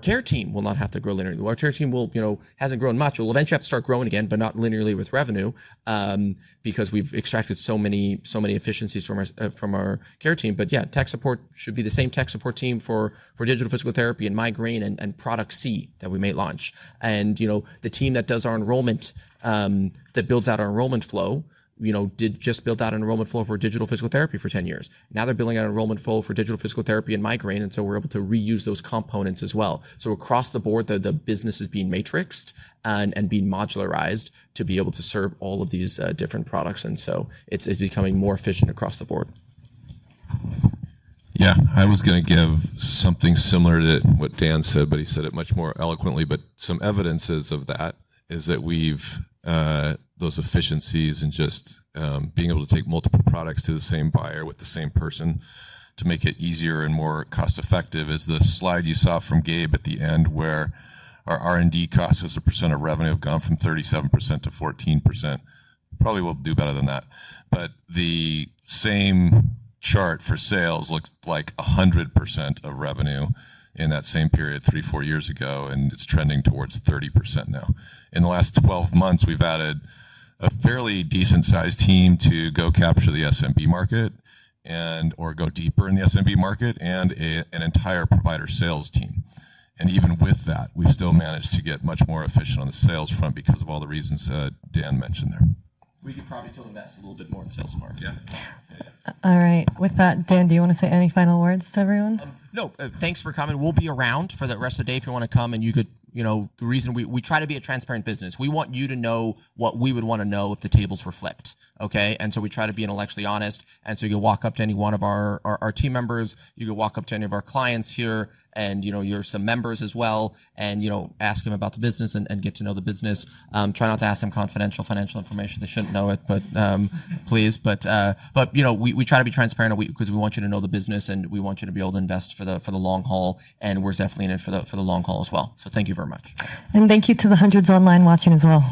care team will not have to grow linearly. Well, our care team hasn't grown much. It will eventually have to start growing again, but not linearly with revenue, because we've extracted so many efficiencies from our care team. Yeah, tech support should be the same tech support team for digital physical therapy and migraine and product C that we may launch. The team that does our enrollment, that builds out our enrollment flow, just built out an enrollment flow for digital physical therapy for 10 years. Now they're building out enrollment flow for digital physical therapy and migraine, and so we're able to reuse those components as well. Across the board, the business is being matrixed and being modularized to be able to serve all of these different products, and so it's becoming more efficient across the board. Yeah. I was going to give something similar to what Dan said, but he said it much more eloquently. Some evidence of that is that those efficiencies and just being able to take multiple products to the same buyer with the same person to make it easier and more cost-effective is the slide you saw from Gabe at the end where our R&D cost as a % of revenue have gone from 37% to 14%. Probably will do better than that. The same chart for sales looks like 100% of revenue in that same period three, four years ago, and it's trending towards 30% now. In the last 12 months, we've added a fairly decent-sized team to go capture the SMB market, or go deeper in the SMB market, and an entire provider sales team. Even with that, we've still managed to get much more efficient on the sales front because of all the reasons Dan mentioned there. We could probably still invest a little bit more in sales and marketing. Yeah. Yeah, yeah. All right. With that, Dan, do you want to say any final words to everyone? No. Thanks for coming. We'll be around for the rest of the day if you want to come. We try to be a transparent business. We want you to know what we would want to know if the tables were flipped, okay? We try to be intellectually honest, you'll walk up to any one of our team members. You could walk up to any of our clients here, and you're some members as well, and ask them about the business and get to know the business. Try not to ask them confidential financial information. They shouldn't know it, please. We try to be transparent because we want you to know the business, and we want you to be able to invest for the long haul, and we're definitely in it for the long haul as well. Thank you very much. Thank you to the hundreds online watching as well.